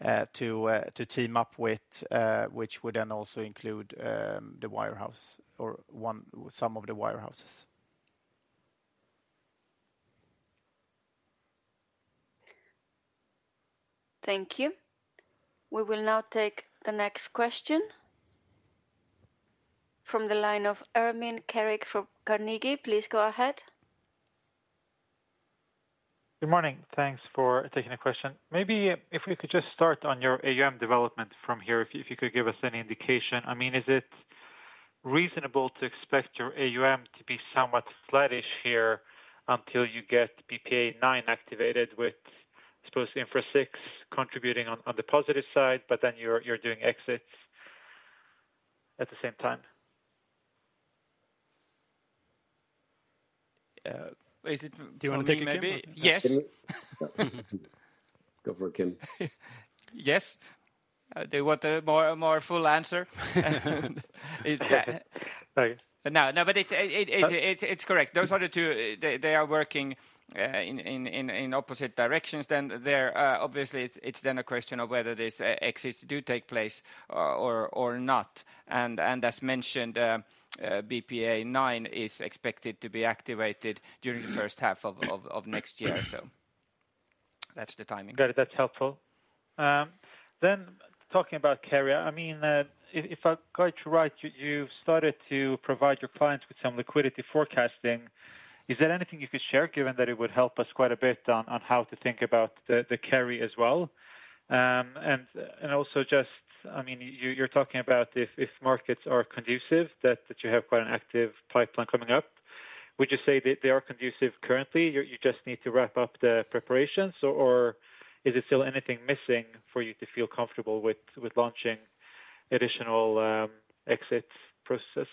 to team up with, which would then also include the wirehouse or some of the wirehouses. Thank you. We will now take the next question from the line of Ermin Keric from Carnegie. Please go ahead. Good morning. Thanks for taking the question. Maybe if we could just start on your AUM development from here, if you could give us any indication. I mean, is it reasonable to expect your AUM to be somewhat flattish here until you get BPEA IX activated with supposedly Infra VI contributing on the positive side, but then you're doing exits at the same time? Is it- Do you want me, maybe? Yes. Go for it, Kim. Yes. They want a more full answer? Sorry. No, no, but it's correct. Those are the two. They are working in opposite directions. Then, obviously, it's then a question of whether these exits do take place or not. And as mentioned, BPA nine is expected to be activated during the first half of next year. So that's the timing. Got it. That's helpful. Then talking about carry, I mean, if I got you right, you started to provide your clients with some liquidity forecasting. Is there anything you could share, given that it would help us quite a bit on how to think about the carry as well? And also just, I mean, you're talking about if markets are conducive, that you have quite an active pipeline coming up. Would you say that they are conducive currently, you just need to wrap up the preparations, or is there still anything missing for you to feel comfortable with launching additional exit process?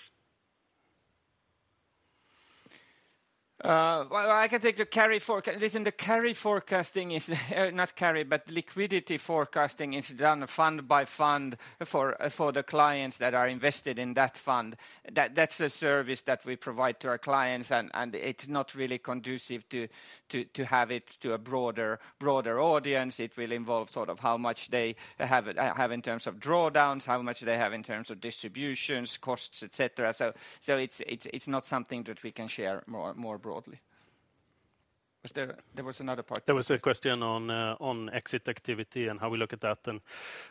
Well, I can take the carry forecast. Listen, the carry forecasting is, not carry, but liquidity forecasting is done fund by fund for the clients that are invested in that fund. That's a service that we provide to our clients, and it's not really conducive to have it to a broader audience. It will involve sort of how much they have in terms of drawdowns, how much they have in terms of distributions, costs, et cetera. So it's not something that we can share more broadly. Was there... There was another part? There was a question on exit activity and how we look at that, and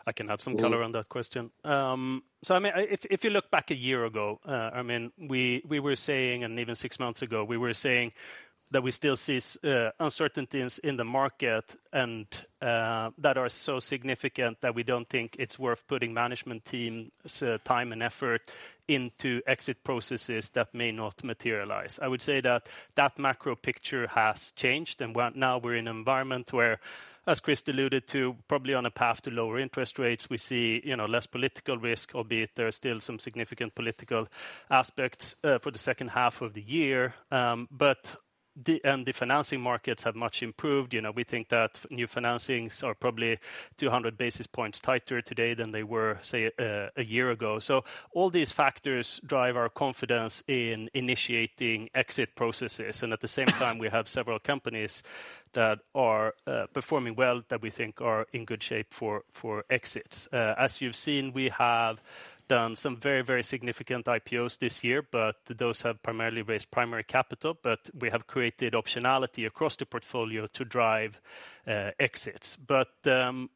I can have some color on that question. So I mean, if you look back a year ago, I mean, we were saying, and even six months ago, we were saying that we still see uncertainties in the market and that are so significant that we don't think it's worth putting management team's time and effort into exit processes that may not materialize. I would say that that macro picture has changed, and we're now in an environment where, as Chris alluded to, probably on a path to lower interest rates. We see, you know, less political risk, albeit there are still some significant political aspects for the second half of the year. But the financing markets have much improved. You know, we think that new financings are probably 200 basis points tighter today than they were, say, a year ago. So all these factors drive our confidence in initiating exit processes, and at the same time, we have several companies that are performing well, that we think are in good shape for exits. As you've seen, we have done some very, very significant IPOs this year, but those have primarily raised primary capital, but we have created optionality across the portfolio to drive exits. But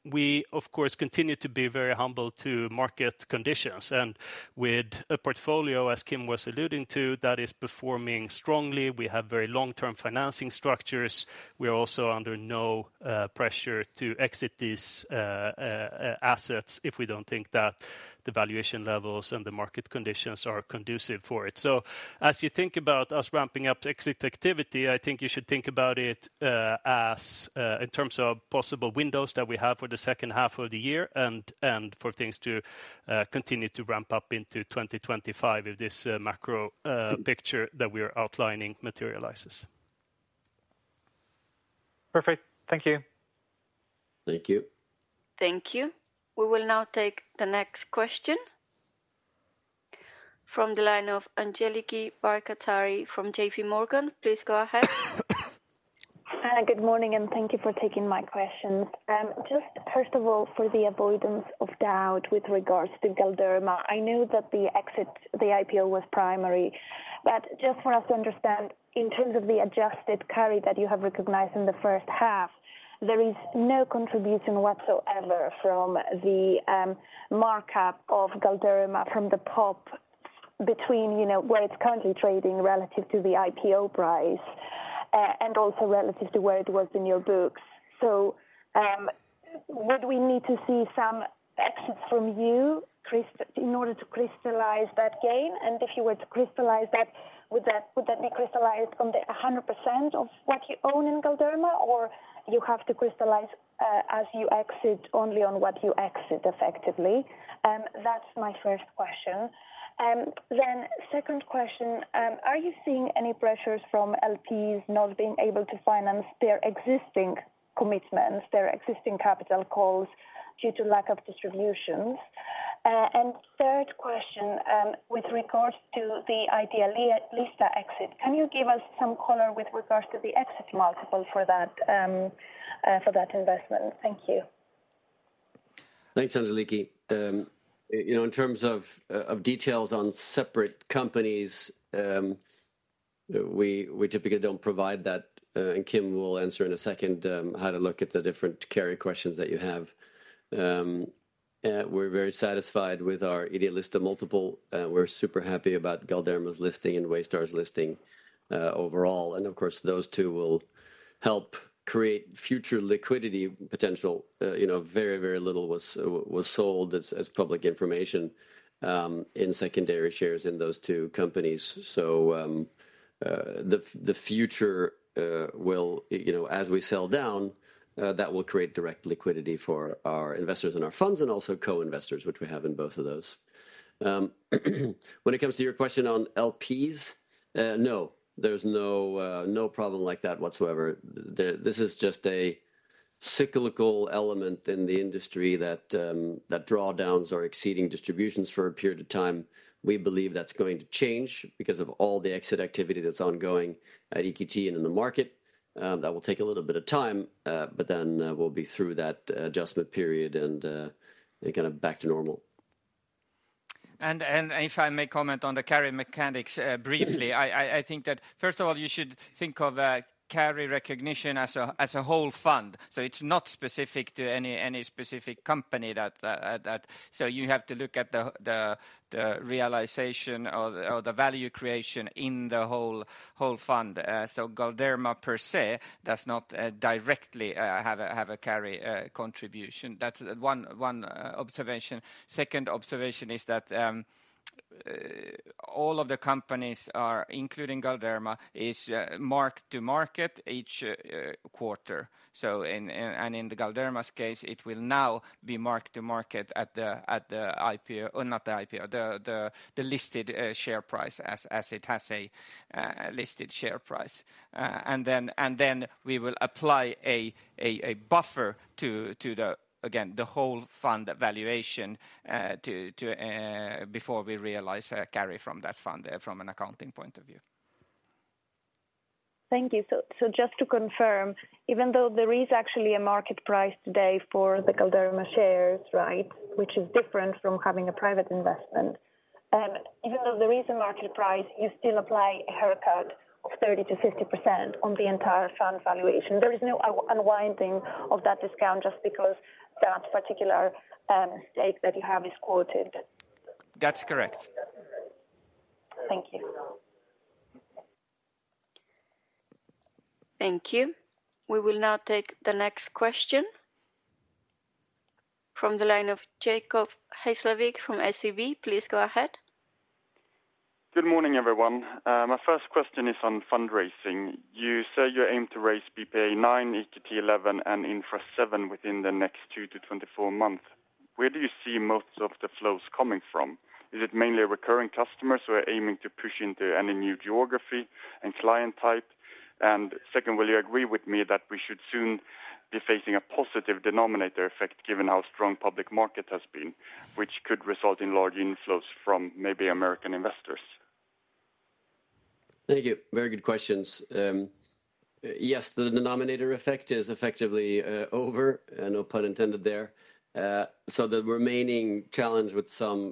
we, of course, continue to be very humble to market conditions, and with a portfolio, as Kim was alluding to, that is performing strongly, we have very long-term financing structures. We are also under no pressure to exit these assets if we don't think that the valuation levels and the market conditions are conducive for it. So as you think about us ramping up exit activity, I think you should think about it as in terms of possible windows that we have for the second half of the year and for things to continue to ramp up into 2025 if this macro picture that we are outlining materializes. Perfect. Thank you. Thank you. Thank you. We will now take the next question from the line of Angeliki Bairaktari from J.P. Morgan. Please go ahead. Good morning, and thank you for taking my questions. Just first of all, for the avoidance of doubt with regards to Galderma, I know that the exit, the IPO was primary. But just for us to understand, in terms of the adjusted carry that you have recognized in the first half, there is no contribution whatsoever from the markup of Galderma from the pop between, you know, where it's currently trading relative to the IPO price, and also relative to where it was in your books. So, would we need to see some exits from you in order to crystallize that gain? And if you were to crystallize that, would that, would that be crystallized on the 100% of what you own in Galderma, or you have to crystallize, as you exit only on what you exit effectively? That's my first question. Then second question, are you seeing any pressures from LPs not being able to finance their existing commitments, their existing capital calls, due to lack of distributions? And third question, with regards to the Idealista exit, can you give us some color with regards to the exit multiple for that, for that investment? Thank you. Thanks, Angeliki. You know, in terms of details on separate companies, we typically don't provide that, and Kim will answer in a second how to look at the different carry questions that you have. We're very satisfied with our Idealista multiple. We're super happy about Galderma's listing and Waystar's listing, overall. And of course, those two will help create future liquidity potential. You know, very, very little was sold as public information in secondary shares in those two companies. So, the future will, you know, as we sell down, that will create direct liquidity for our investors and our funds, and also co-investors, which we have in both of those. When it comes to your question on LPs, no, there's no, no problem like that whatsoever. This is just a cyclical element in the industry that drawdowns are exceeding distributions for a period of time. We believe that's going to change because of all the exit activity that's ongoing at EQT and in the market. That will take a little bit of time, but then we'll be through that adjustment period and kind of back to normal. If I may comment on the carry mechanics briefly, I think that first of all, you should think of carry recognition as a whole fund. So it's not specific to any specific company. So you have to look at the realization or the value creation in the whole fund. So Galderma per se does not directly have a carry contribution. That's one observation. Second observation is that all of the companies are, including Galderma, is mark to market each quarter. So in the Galderma's case, it will now be mark to market at the IPO, or not the IPO, the listed share price as it has a listed share price. And then we will apply a buffer to the whole fund valuation, again, before we realize a carry from that fund, from an accounting point of view. Thank you. So, so just to confirm, even though there is actually a market price today for the Galderma shares, right? Which is different from having a private investment, even though there is a market price, you still apply a haircut of 30% to 50% on the entire fund valuation. There is no unwinding of that discount just because that particular stake that you have is quoted. That's correct. Thank you. Thank you. We will now take the next question from the line of Jacob Hesslevik from SEB. Please go ahead. Good morning, everyone. My first question is on fundraising. You say you aim to raise BPA IX, EQT XI, and Infra VII within the next 2 to 24 months. Where do you see most of the flows coming from? Is it mainly recurring customers who are aiming to push into any new geography and client type? And secondly, will you agree with me that we should soon be facing a positive denominator effect, given how strong public market has been, which could result in large inflows from maybe American investors? Thank you. Very good questions. Yes, the denominator effect is effectively over, no pun intended there. So the remaining challenge with some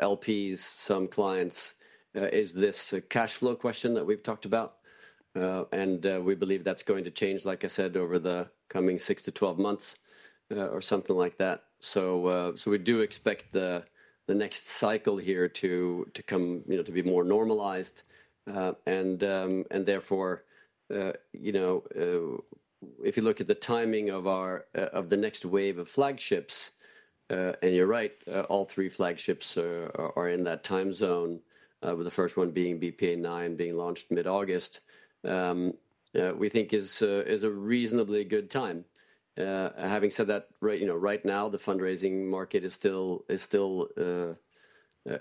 LPs, some clients, is this cash flow question that we've talked about. And we believe that's going to change, like I said, over the coming 6 to 12 months, or something like that. So we do expect the next cycle here to come, you know, to be more normalized. And therefore, you know, if you look at the timing of our, of the next wave of flagships, and you're right, all three flagships are in that time zone, with the first one being BPEA IX being launched mid-August. We think is a reasonably good time. Having said that, right, you know, right now, the fundraising market is still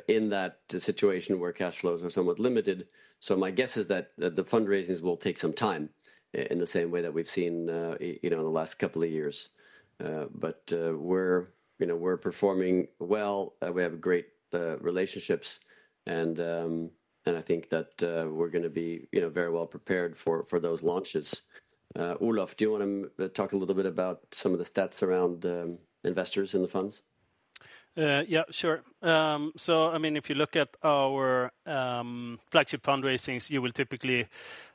in that situation where cash flows are somewhat limited. So my guess is that the fundraisings will take some time, in the same way that we've seen, you know, in the last couple of years. But we're, you know, we're performing well, we have great relationships and I think that we're gonna be, you know, very well prepared for those launches. Olof, do you wanna talk a little bit about some of the stats around investors in the funds? Yeah, sure. So I mean, if you look at our flagship fundraisings, you will typically,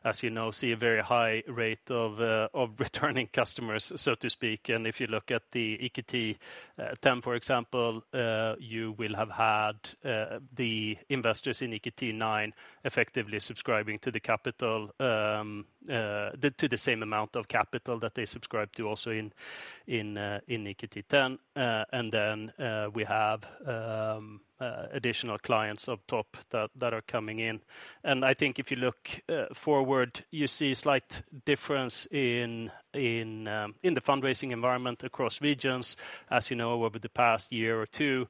as you know, see a very high rate of returning customers, so to speak. And if you look at the EQT X, for example, you will have had the investors in EQT IX effectively subscribing to the capital to the same amount of capital that they subscribed to also in EQT X. And then we have additional clients up top that are coming in. And I think if you look forward, you see slight difference in the fundraising environment across regions. As you know, over the past year or two,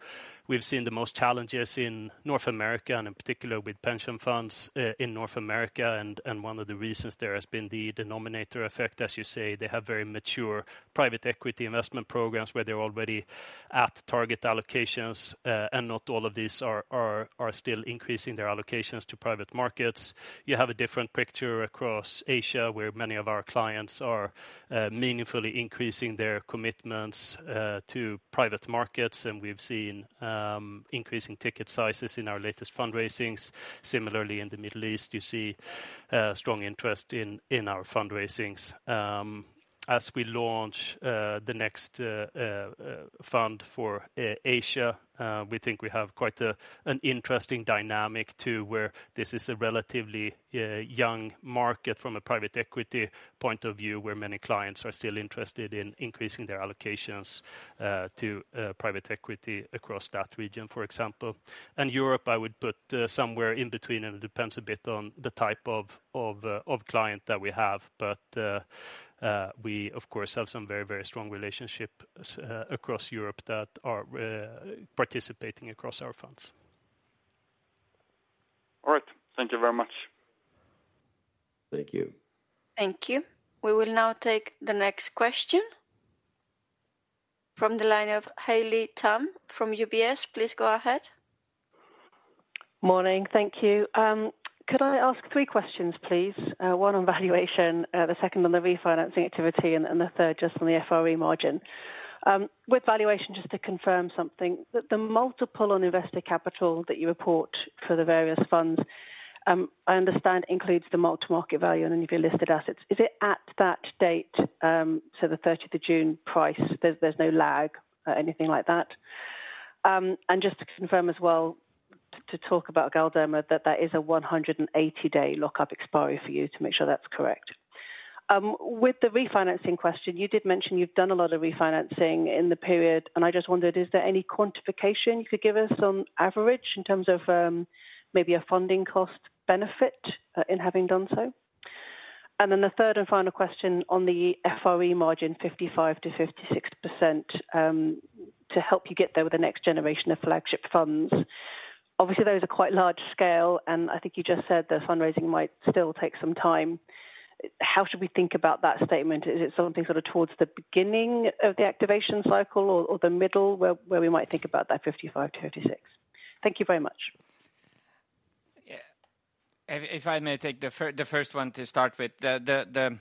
we've seen the most challenges in North America, and in particular with pension funds in North America, and one of the reasons there has been the denominator effect. As you say, they have very mature private equity investment programs where they're already at target allocations, and not all of these are still increasing their allocations to private markets. You have a different picture across Asia, where many of our clients are meaningfully increasing their commitments to private markets, and we've seen increasing ticket sizes in our latest fundraisings. Similarly, in the Middle East, you see strong interest in our fundraisings. As we launch the next fund for Asia, we think we have quite an interesting dynamic to where this is a relatively young market from a private equity point of view, where many clients are still interested in increasing their allocations to private equity across that region, for example. And Europe, I would put somewhere in between, and it depends a bit on the type of client that we have. But we of course have some very, very strong relationships across Europe that are participating across our funds. All right. Thank you very much. Thank you. Thank you. We will now take the next question from the line of Haley Tam from UBS. Please go ahead. Morning. Thank you. Could I ask 3 questions, please? One on valuation, the second on the refinancing activity, and the third just on the FRE margin. With valuation, just to confirm something, the multiple on invested capital that you report for the various funds, I understand includes the mark-to-market value on any of your listed assets. Is it at that date, so the June 30th price, there's no lag or anything like that? And just to confirm as well, to talk about Galderma, that is a 180-day lockup expiry for you, to make sure that's correct. With the refinancing question, you did mention you've done a lot of refinancing in the period, and I just wondered, is there any quantification you could give us on average in terms of, maybe a funding cost benefit, in having done so? And then the third and final question on the FRE margin, 55% to 56%, to help you get there with the next generation of flagship funds. Obviously, those are quite large scale, and I think you just said the fundraising might still take some time. How should we think about that statement? Is it something sort of towards the beginning of the activation cycle or the middle, where we might think about that 55% to 56%? Thank you very much. Yeah. If, if I may take the first one to start with. The,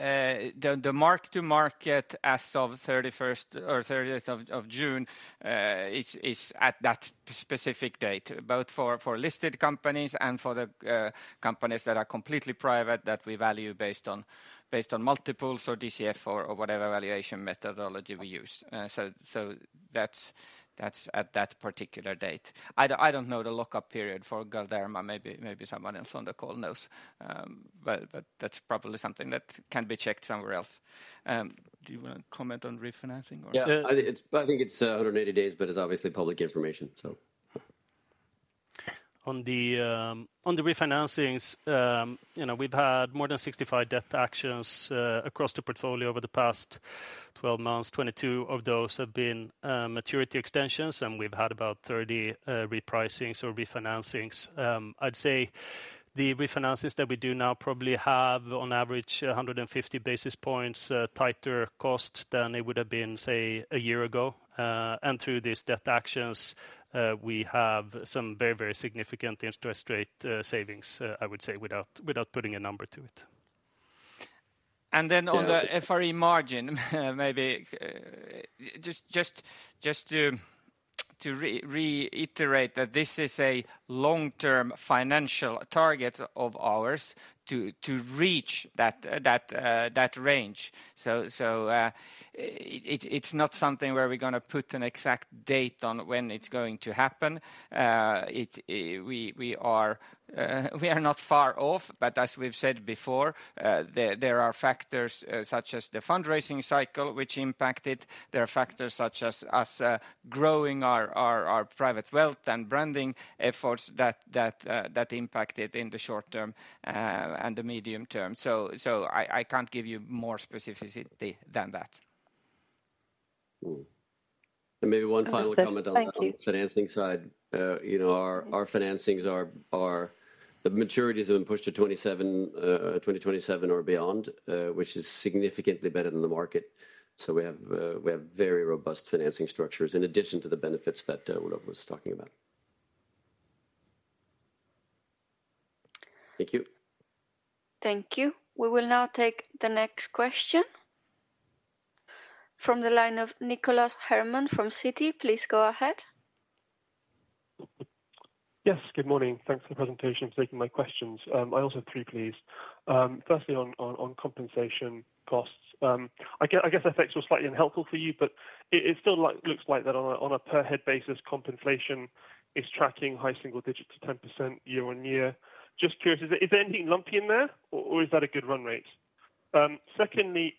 the, the, the, the mark to market as of thirty-first or thirtieth of June is at that specific date, both for listed companies and for the companies that are completely private, that we value based on multiples or DCF or whatever valuation methodology we use. So that's at that particular date. I don't know the lockup period for Galderma. Maybe someone else on the call knows, but that's probably something that can be checked somewhere else. Do you wanna comment on refinancing or? Yeah. I think it's 180 days, but it's obviously public information, so. On the refinancings, you know, we've had more than 65 debt actions across the portfolio over the past 12 months.22 of those have been maturity extensions, and we've had about 30 repricings or refinancings. I'd say the refinances that we do now probably have, on average, 150 basis points tighter cost than it would have been, say, a year ago. And through these debt actions, we have some very, very significant interest rate savings, I would say, without putting a number to it. And then on the- Yeah -FRE margin, maybe just to reiterate that this is a long-term financial target of ours to reach that range. It's not something where we're gonna put an exact date on when it's going to happen. We are not far off, but as we've said before, there are factors such as the fundraising cycle, which impact it. There are factors such as us growing our private wealth and branding efforts that impact it in the short term and the medium term. So I can't give you more specificity than that. Mm-hmm. Maybe one final comment- Thank you -on the financing side. You know, our financings are the maturities have been pushed to 2027 or beyond, which is significantly better than the market. So we have very robust financing structures in addition to the benefits that Olof was talking about. Thank you. Thank you. We will now take the next question from the line of Nicholas Herman from Citi. Please go ahead. Yes, good morning. Thanks for the presentation, and for taking my questions. I also have three, please. Firstly, on compensation costs. I get-I guess effects were slightly unhelpful for you, but it still looks like that on a per head basis, compensation is tracking high single digits to 10% year-over-year. Just curious, is there anything lumpy in there, or is that a good run rate? Secondly,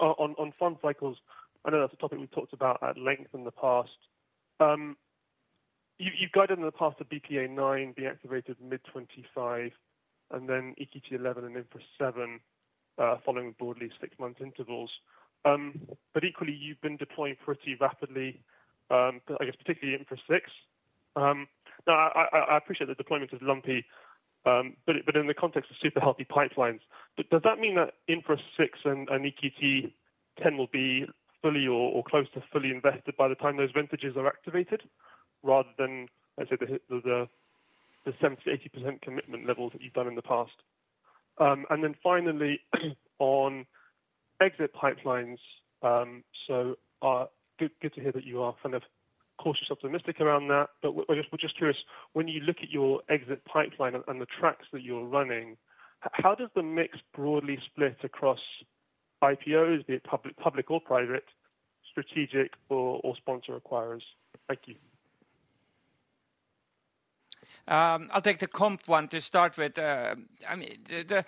on fund cycles, I know that's a topic we've talked about at length in the past. You've guided in the past that BPA IX be activated mid-2025, and then EQT XI and Infra VII following broadly six-month intervals. But equally, you've been deploying pretty rapidly, I guess particularly Infra VI. Now I appreciate that deployment is lumpy, but in the context of super healthy pipelines, does that mean that Infra VI and EQT X will be fully or close to fully invested by the time those vintages are activated? Rather than, let's say, the 70% to 80% commitment levels that you've done in the past. And then finally, on exit pipelines, so good to hear that you are kind of cautiously optimistic around that, but we're just curious, when you look at your exit pipeline and the tracks that you're running, how does the mix broadly split across IPOs, be it public or private, strategic or sponsor acquirers? Thank you. I'll take the comp one to start with. I mean,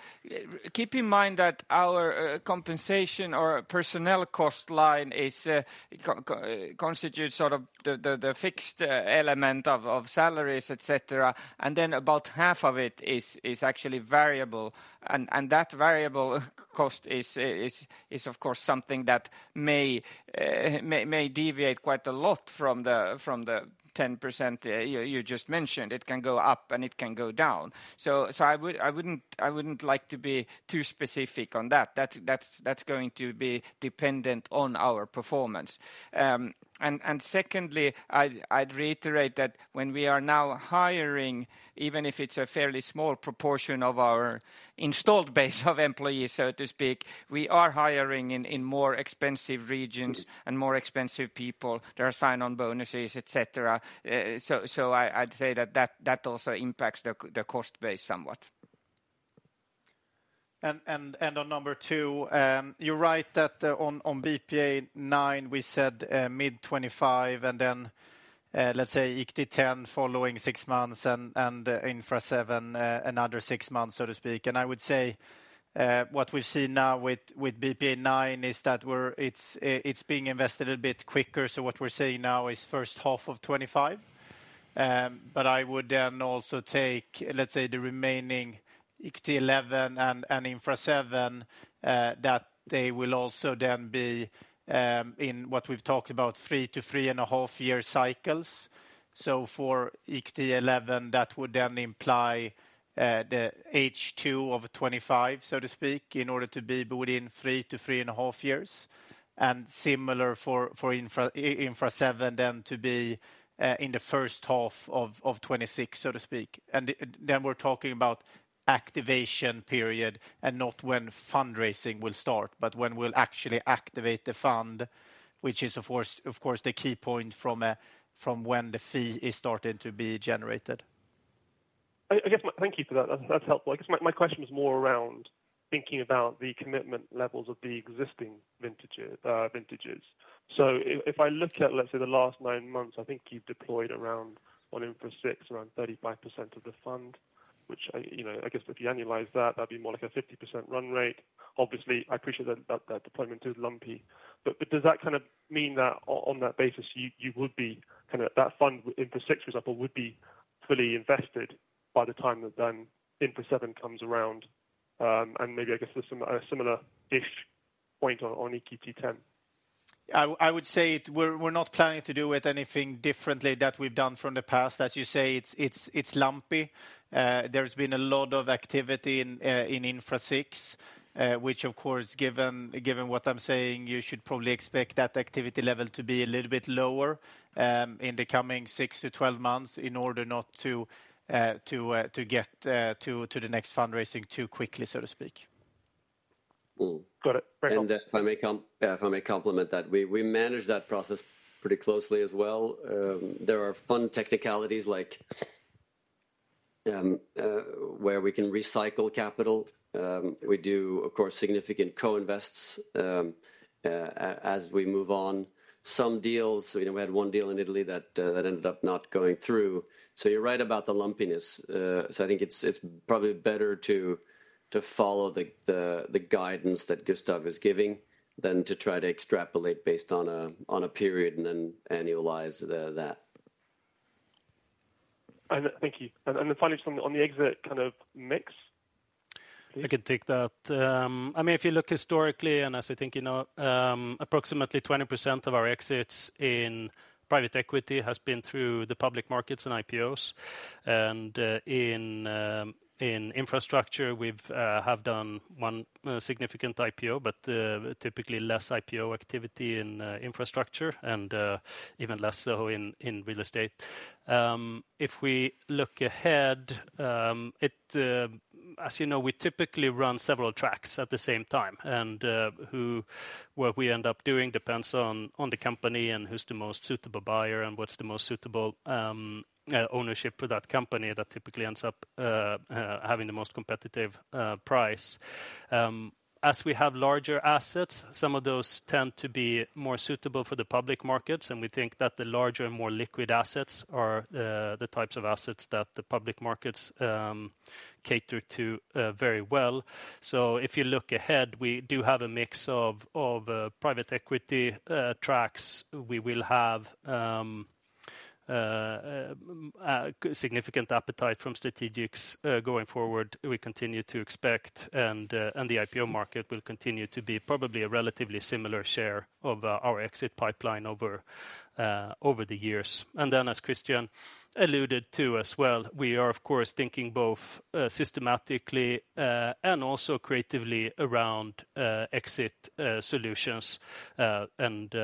keep in mind that our compensation or personnel cost line constitutes sort of the fixed element of salaries, et cetera, and then about half of it is actually variable. And that variable cost is of course something that may deviate quite a lot from the 10% you just mentioned. It can go up, and it can go down. I wouldn't like to be too specific on that. That's going to be dependent on our performance. Secondly, I'd reiterate that when we are now hiring, even if it's a fairly small proportion of our installed base of employees, so to speak, we are hiring in more expensive regions and more expensive people. There are sign-on bonuses, et cetera. So, I'd say that that also impacts the cost base somewhat. And on number two, you're right that on BPEA IX, we said mid-2025, and then, let's say EQT X, following six months and Infra seven, another six months, so to speak. And I would say, what we've seen now with BPEA IX is that we're, it's being invested a bit quicker, so what we're saying now is first half of 2025. But I would then also take, let's say, the remaining EQT eleven and Infra seven, that they will also then be in what we've talked about, 3 to 3.5-year cycles. So for EQT XI, that would then imply the H2 of 2025, so to speak, in order to be within three to three and a half years, and similar for Infra seven, then to be in the first half of 2026, so to speak. And then we're talking about activation period and not when fundraising will start, but when we'll actually activate the fund, which is, of course, of course, the key point from when the fee is starting to be generated. I guess-Thank you for that. That's, that's helpful. I guess my question was more around thinking about the commitment levels of the existing vintage, vintages. So if I look at, let's say, the last nine months, I think you've deployed around on Infra six, around 35% of the fund, which I, you know, I guess if you annualize that, that'd be more like a 50% run rate. Obviously, I appreciate that, that, that deployment is lumpy, but does that kind of mean that on that basis, you would be kinda-- that fund, Infra VI, for example, would be fully invested by the time that then Infra seven comes around, and maybe I guess there's some similar-ish point on EQT X? I would say it. We're not planning to do it anything differently that we've done from the past. As you say, it's lumpy. There's been a lot of activity in Infra VI, which of course, given what I'm saying, you should probably expect that activity level to be a little bit lower in the coming 6 to 12 months, in order not to get to the next fundraising too quickly, so to speak. Mm-hmm. Got it. Very cool. Yeah, if I may comment that, we manage that process pretty closely as well. There are fund technicalities like where we can recycle capital. We do, of course, significant co-invests as we move on. Some deals, you know, we had one deal in Italy that ended up not going through. So you're right about the lumpiness. So I think it's probably better to follow the guidance that Gustav is giving, than to try to extrapolate based on a period and then annualize that. Thank you. And then finally, just on the exit kind of mix? I can take that. I mean, if you look historically, and as I think you know, approximately 20% of our exits in private equity has been through the public markets and IPOs, and in infrastructure, we've have done one significant IPO, but typically less IPO activity in infrastructure and even less so in real estate. If we look ahead, as you know, we typically run several tracks at the same time, and what we end up doing depends on the company and who's the most suitable buyer and what's the most suitable ownership for that company, that typically ends up having the most competitive price. As we have larger assets, some of those tend to be more suitable for the public markets, and we think that the larger and more liquid assets are the types of assets that the public markets cater to very well. So if you look ahead, we do have a mix of private equity tracks. We will have a significant appetite from strategics, going forward, we continue to expect, and the IPO market will continue to be probably a relatively similar share of our exit pipeline over the years. And then, as Christian alluded to as well, we are of course thinking both systematically and also creatively around exit solutions. And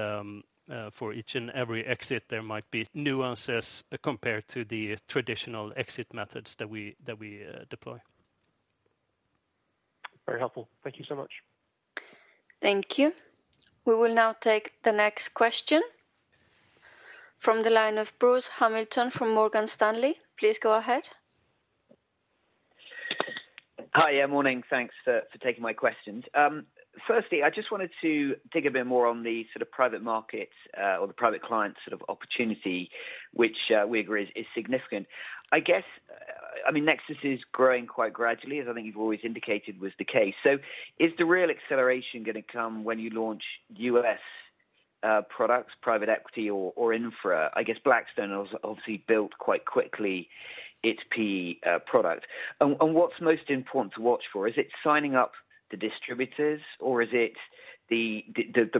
for each and every exit, there might be nuances compared to the traditional exit methods that we deploy. Very helpful. Thank you so much. Thank you. We will now take the next question from the line of Bruce Hamilton from Morgan Stanley. Please go ahead. Hi, yeah, morning. Thanks for taking my questions. Firstly, I just wanted to dig a bit more on the sort of private market or the private client sort of opportunity, which we agree is significant. I guess, I mean, Nexus is growing quite gradually, as I think you've always indicated was the case. So is the real acceleration gonna come when you launch U.S. products, private equity or infra? I guess Blackstone also obviously built quite quickly its PE product. And what's most important to watch for? Is it signing up the distributors, or is it the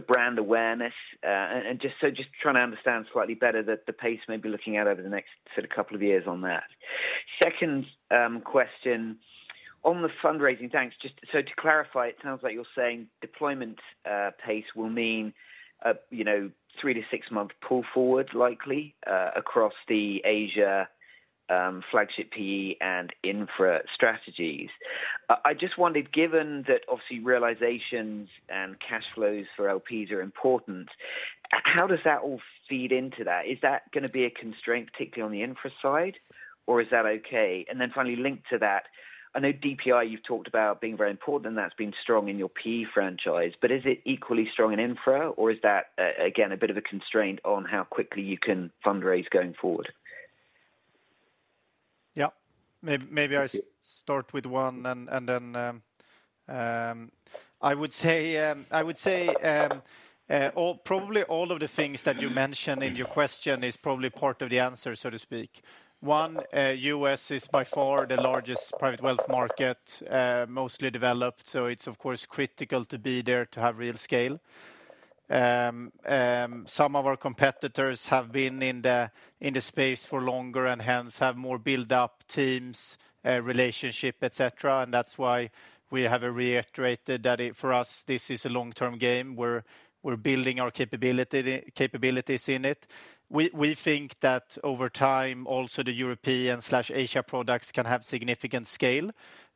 brand awareness? And just trying to understand slightly better that the pace may be looking at over the next sort of couple of years on that. Second question, on the fundraising talks, just so to clarify, it sounds like you're saying deployment pace will mean, you know, 3 to 6 month pull forward likely across the Asia flagship PE and infra strategies. I just wondered, given that obviously realizations and cash flows for LPs are important, how does that all feed into that? Is that gonna be a constraint, particularly on the infra side, or is that okay? And then finally, linked to that, I know DPI, you've talked about being very important, and that's been strong in your PE franchise, but is it equally strong in infra, or is that again, a bit of a constraint on how quickly you can fundraise going forward? Yeah. Maybe I start with one, and, and then... I would say, I would say, all, probably all of the things that you mentioned in your question is probably part of the answer, so to speak. One, U.S. is by far the largest private wealth market, mostly developed, so it's of course, critical to be there to have real scale. Some of our competitors have been in the, in the space for longer and hence have more built-up teams, relationship, et cetera, and that's why we have reiterated that it for us, this is a long-term game where we're building our capability, capabilities in it. We, we think that over time, also the European/Asia products can have significant scale,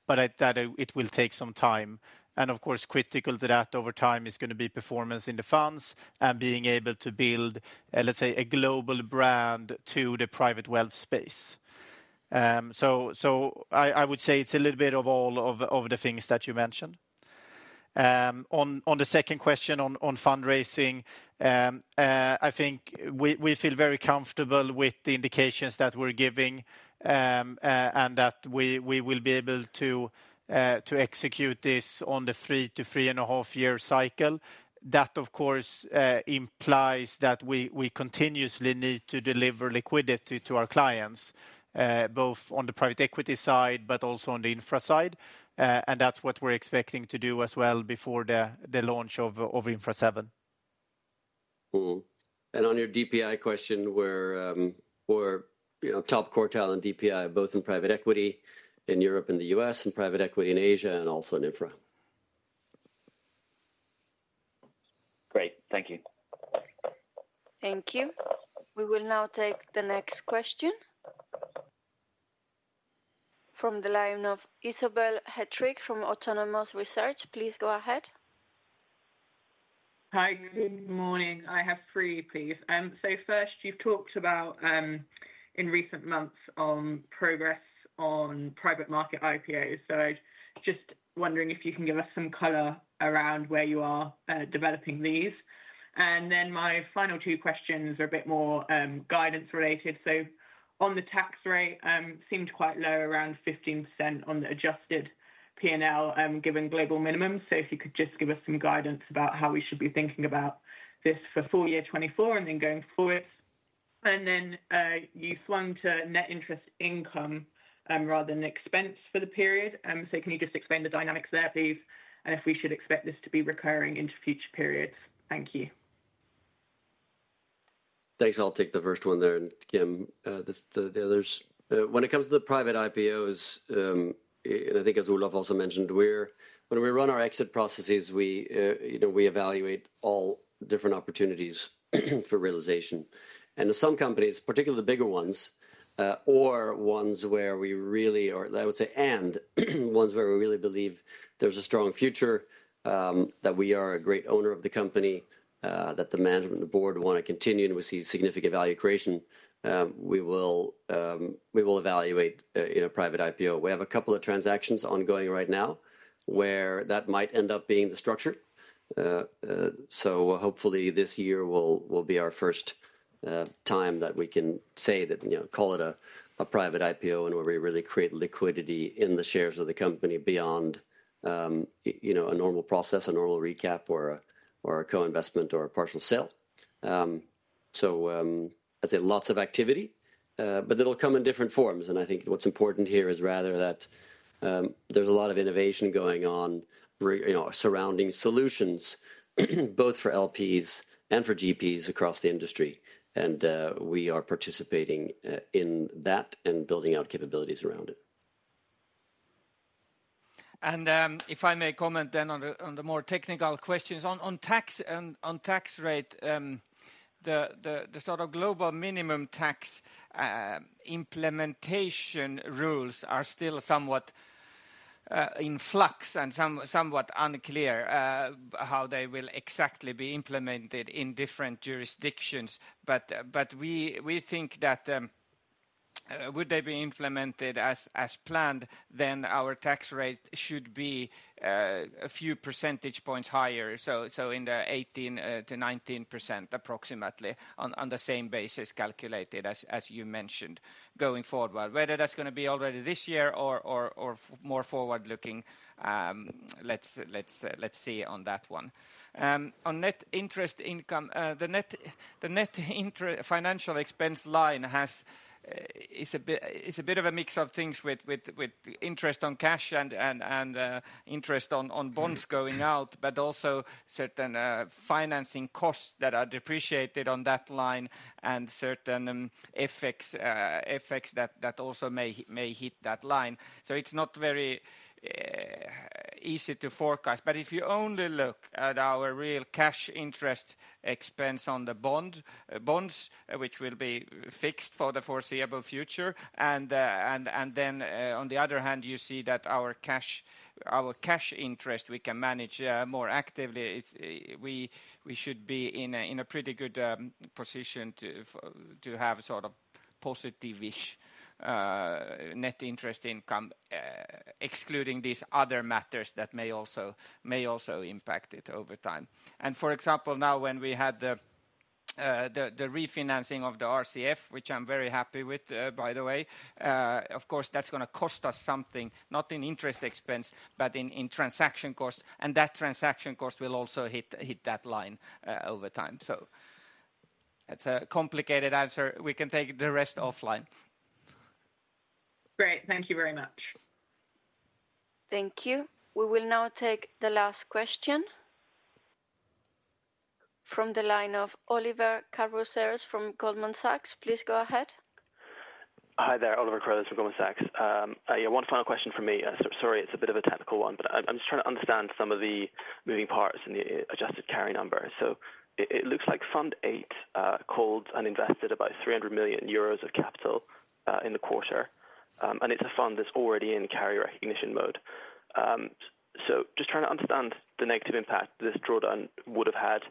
but at that, it will take some time. And of course, critical to that over time is gonna be performance in the funds and being able to build, let's say, a global brand to the private wealth space. So I would say it's a little bit of all of the things that you mentioned. On the second question on fundraising, I think we feel very comfortable with the indications that we're giving, and that we will be able to execute this on the 3 to 3.5 year cycle. That, of course, implies that we continuously need to deliver liquidity to our clients, both on the private equity side, but also on the infra side. And that's what we're expecting to do as well before the launch of Infra VII. Mm-hmm. And on your DPI question, we're, you know, top quartile on DPI, both in private equity in Europe and the U.S., in private equity in Asia, and also in Infra. Great. Thank you. Thank you. We will now take the next question from the line of Isabelle Hetrick from Autonomous Research. Please go ahead. Hi, good morning. I have three, please. So first, you've talked about, in recent months on progress on private market IPOs. So I was just wondering if you can give us some color around where you are developing these. And then my final two questions are a bit more guidance-related. So on the tax rate, seemed quite low, around 15% on the adjusted P&L, given global minimum. So if you could just give us some guidance about how we should be thinking about this for full year 2024 and then going forward. And then, you flung to net interest income, rather than expense for the period. So can you just explain the dynamics there, please, and if we should expect this to be recurring into future periods? Thank you. Thanks. I'll take the first one there, and Kim, the others. When it comes to the private IPOs, and I think as Olof also mentioned, when we run our exit processes, you know, we evaluate all different opportunities for realization. And some companies, particularly the bigger ones, or ones where we really or I would say, and, ones where we really believe there's a strong future, that we are a great owner of the company, that the management and the board wanna continue, and we see significant value creation, we will, we will evaluate in a private IPO. We have a couple of transactions ongoing right now where that might end up being the structure. So, hopefully this year will be our first time that we can say that, you know, call it a private IPO and where we really create liquidity in the shares of the company beyond, you know, a normal process, a normal recap or a co-investment or a partial sale. I'd say lots of activity, but it'll come in different forms. And I think what's important here is rather that there's a lot of innovation going on, you know, surrounding solutions, both for LPs and for GPs across the industry, and we are participating in that and building out capabilities around it. And, if I may comment then on the more technical questions. On tax and on tax rate, the sort of global minimum tax implementation rules are still somewhat in flux and somewhat unclear how they will exactly be implemented in different jurisdictions. But we think that, would they be implemented as planned, then our tax rate should be a few percentage points higher. So in the 18% to 19% approximately, on the same basis calculated as you mentioned, going forward. But whether that's gonna be already this year or more forward looking, let's see on that one. On net interest income, the net interest financial expense line is a bit of a mix of things with interest on cash and interest on bonds going out, but also certain financing costs that are depreciated on that line and certain effects that also may hit that line. So it's not very easy to forecast. But if you only look at our real cash interest expense on the bond, bonds, which will be fixed for the foreseeable future, and then, on the other hand, you see that our cash, our cash interest we can manage more actively, it's we should be in a pretty good position to have sort of positive-ish net interest income, excluding these other matters that may also impact it over time. And for example, now, when we had the refinancing of the RCF, which I'm very happy with, by the way, of course, that's gonna cost us something, not in interest expense, but in transaction cost, and that transaction cost will also hit that line over time. So that's a complicated answer. We can take the rest offline. Great. Thank you very much. Thank you. We will now take the last question from the line of Oliver Carruthers from Goldman Sachs. Please go ahead. Hi there, Oliver Carruthers from Goldman Sachs. Yeah, one final question from me. So sorry, it's a bit of a technical one, but I'm just trying to understand some of the moving parts in the adjusted carry numbers. So it looks like Fund VIII called and invested about 300 million euros of capital in the quarter. And it's a fund that's already in carry recognition mode. So just trying to understand the negative impact this drawdown would have had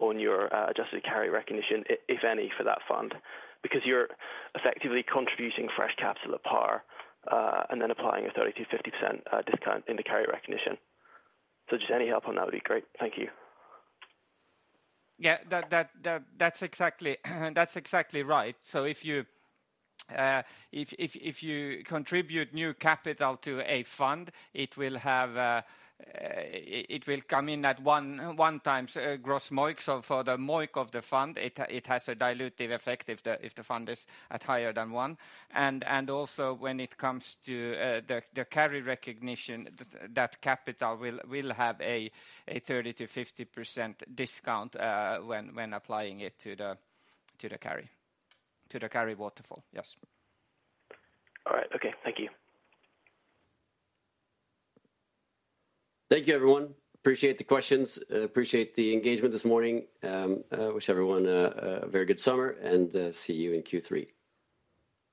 on your adjusted carry recognition, if any, for that fund, because you're effectively contributing fresh capital at par, and then applying a 30% to 50% discount in the carry recognition. So just any help on that would be great. Thank you. Yeah, that's exactly right. So if you contribute new capital to a fund, it will come in at 1x gross MOIC. So for the MOIC of the fund, it has a dilutive effect if the fund is at higher than 1. And also when it comes to the carry recognition, that capital will have a 30% to 50% discount when applying it to the carry waterfall. Yes. All right. Okay. Thank you. Thank you, everyone. Appreciate the questions. Appreciate the engagement this morning. Wish everyone a very good summer, and see you in Q3.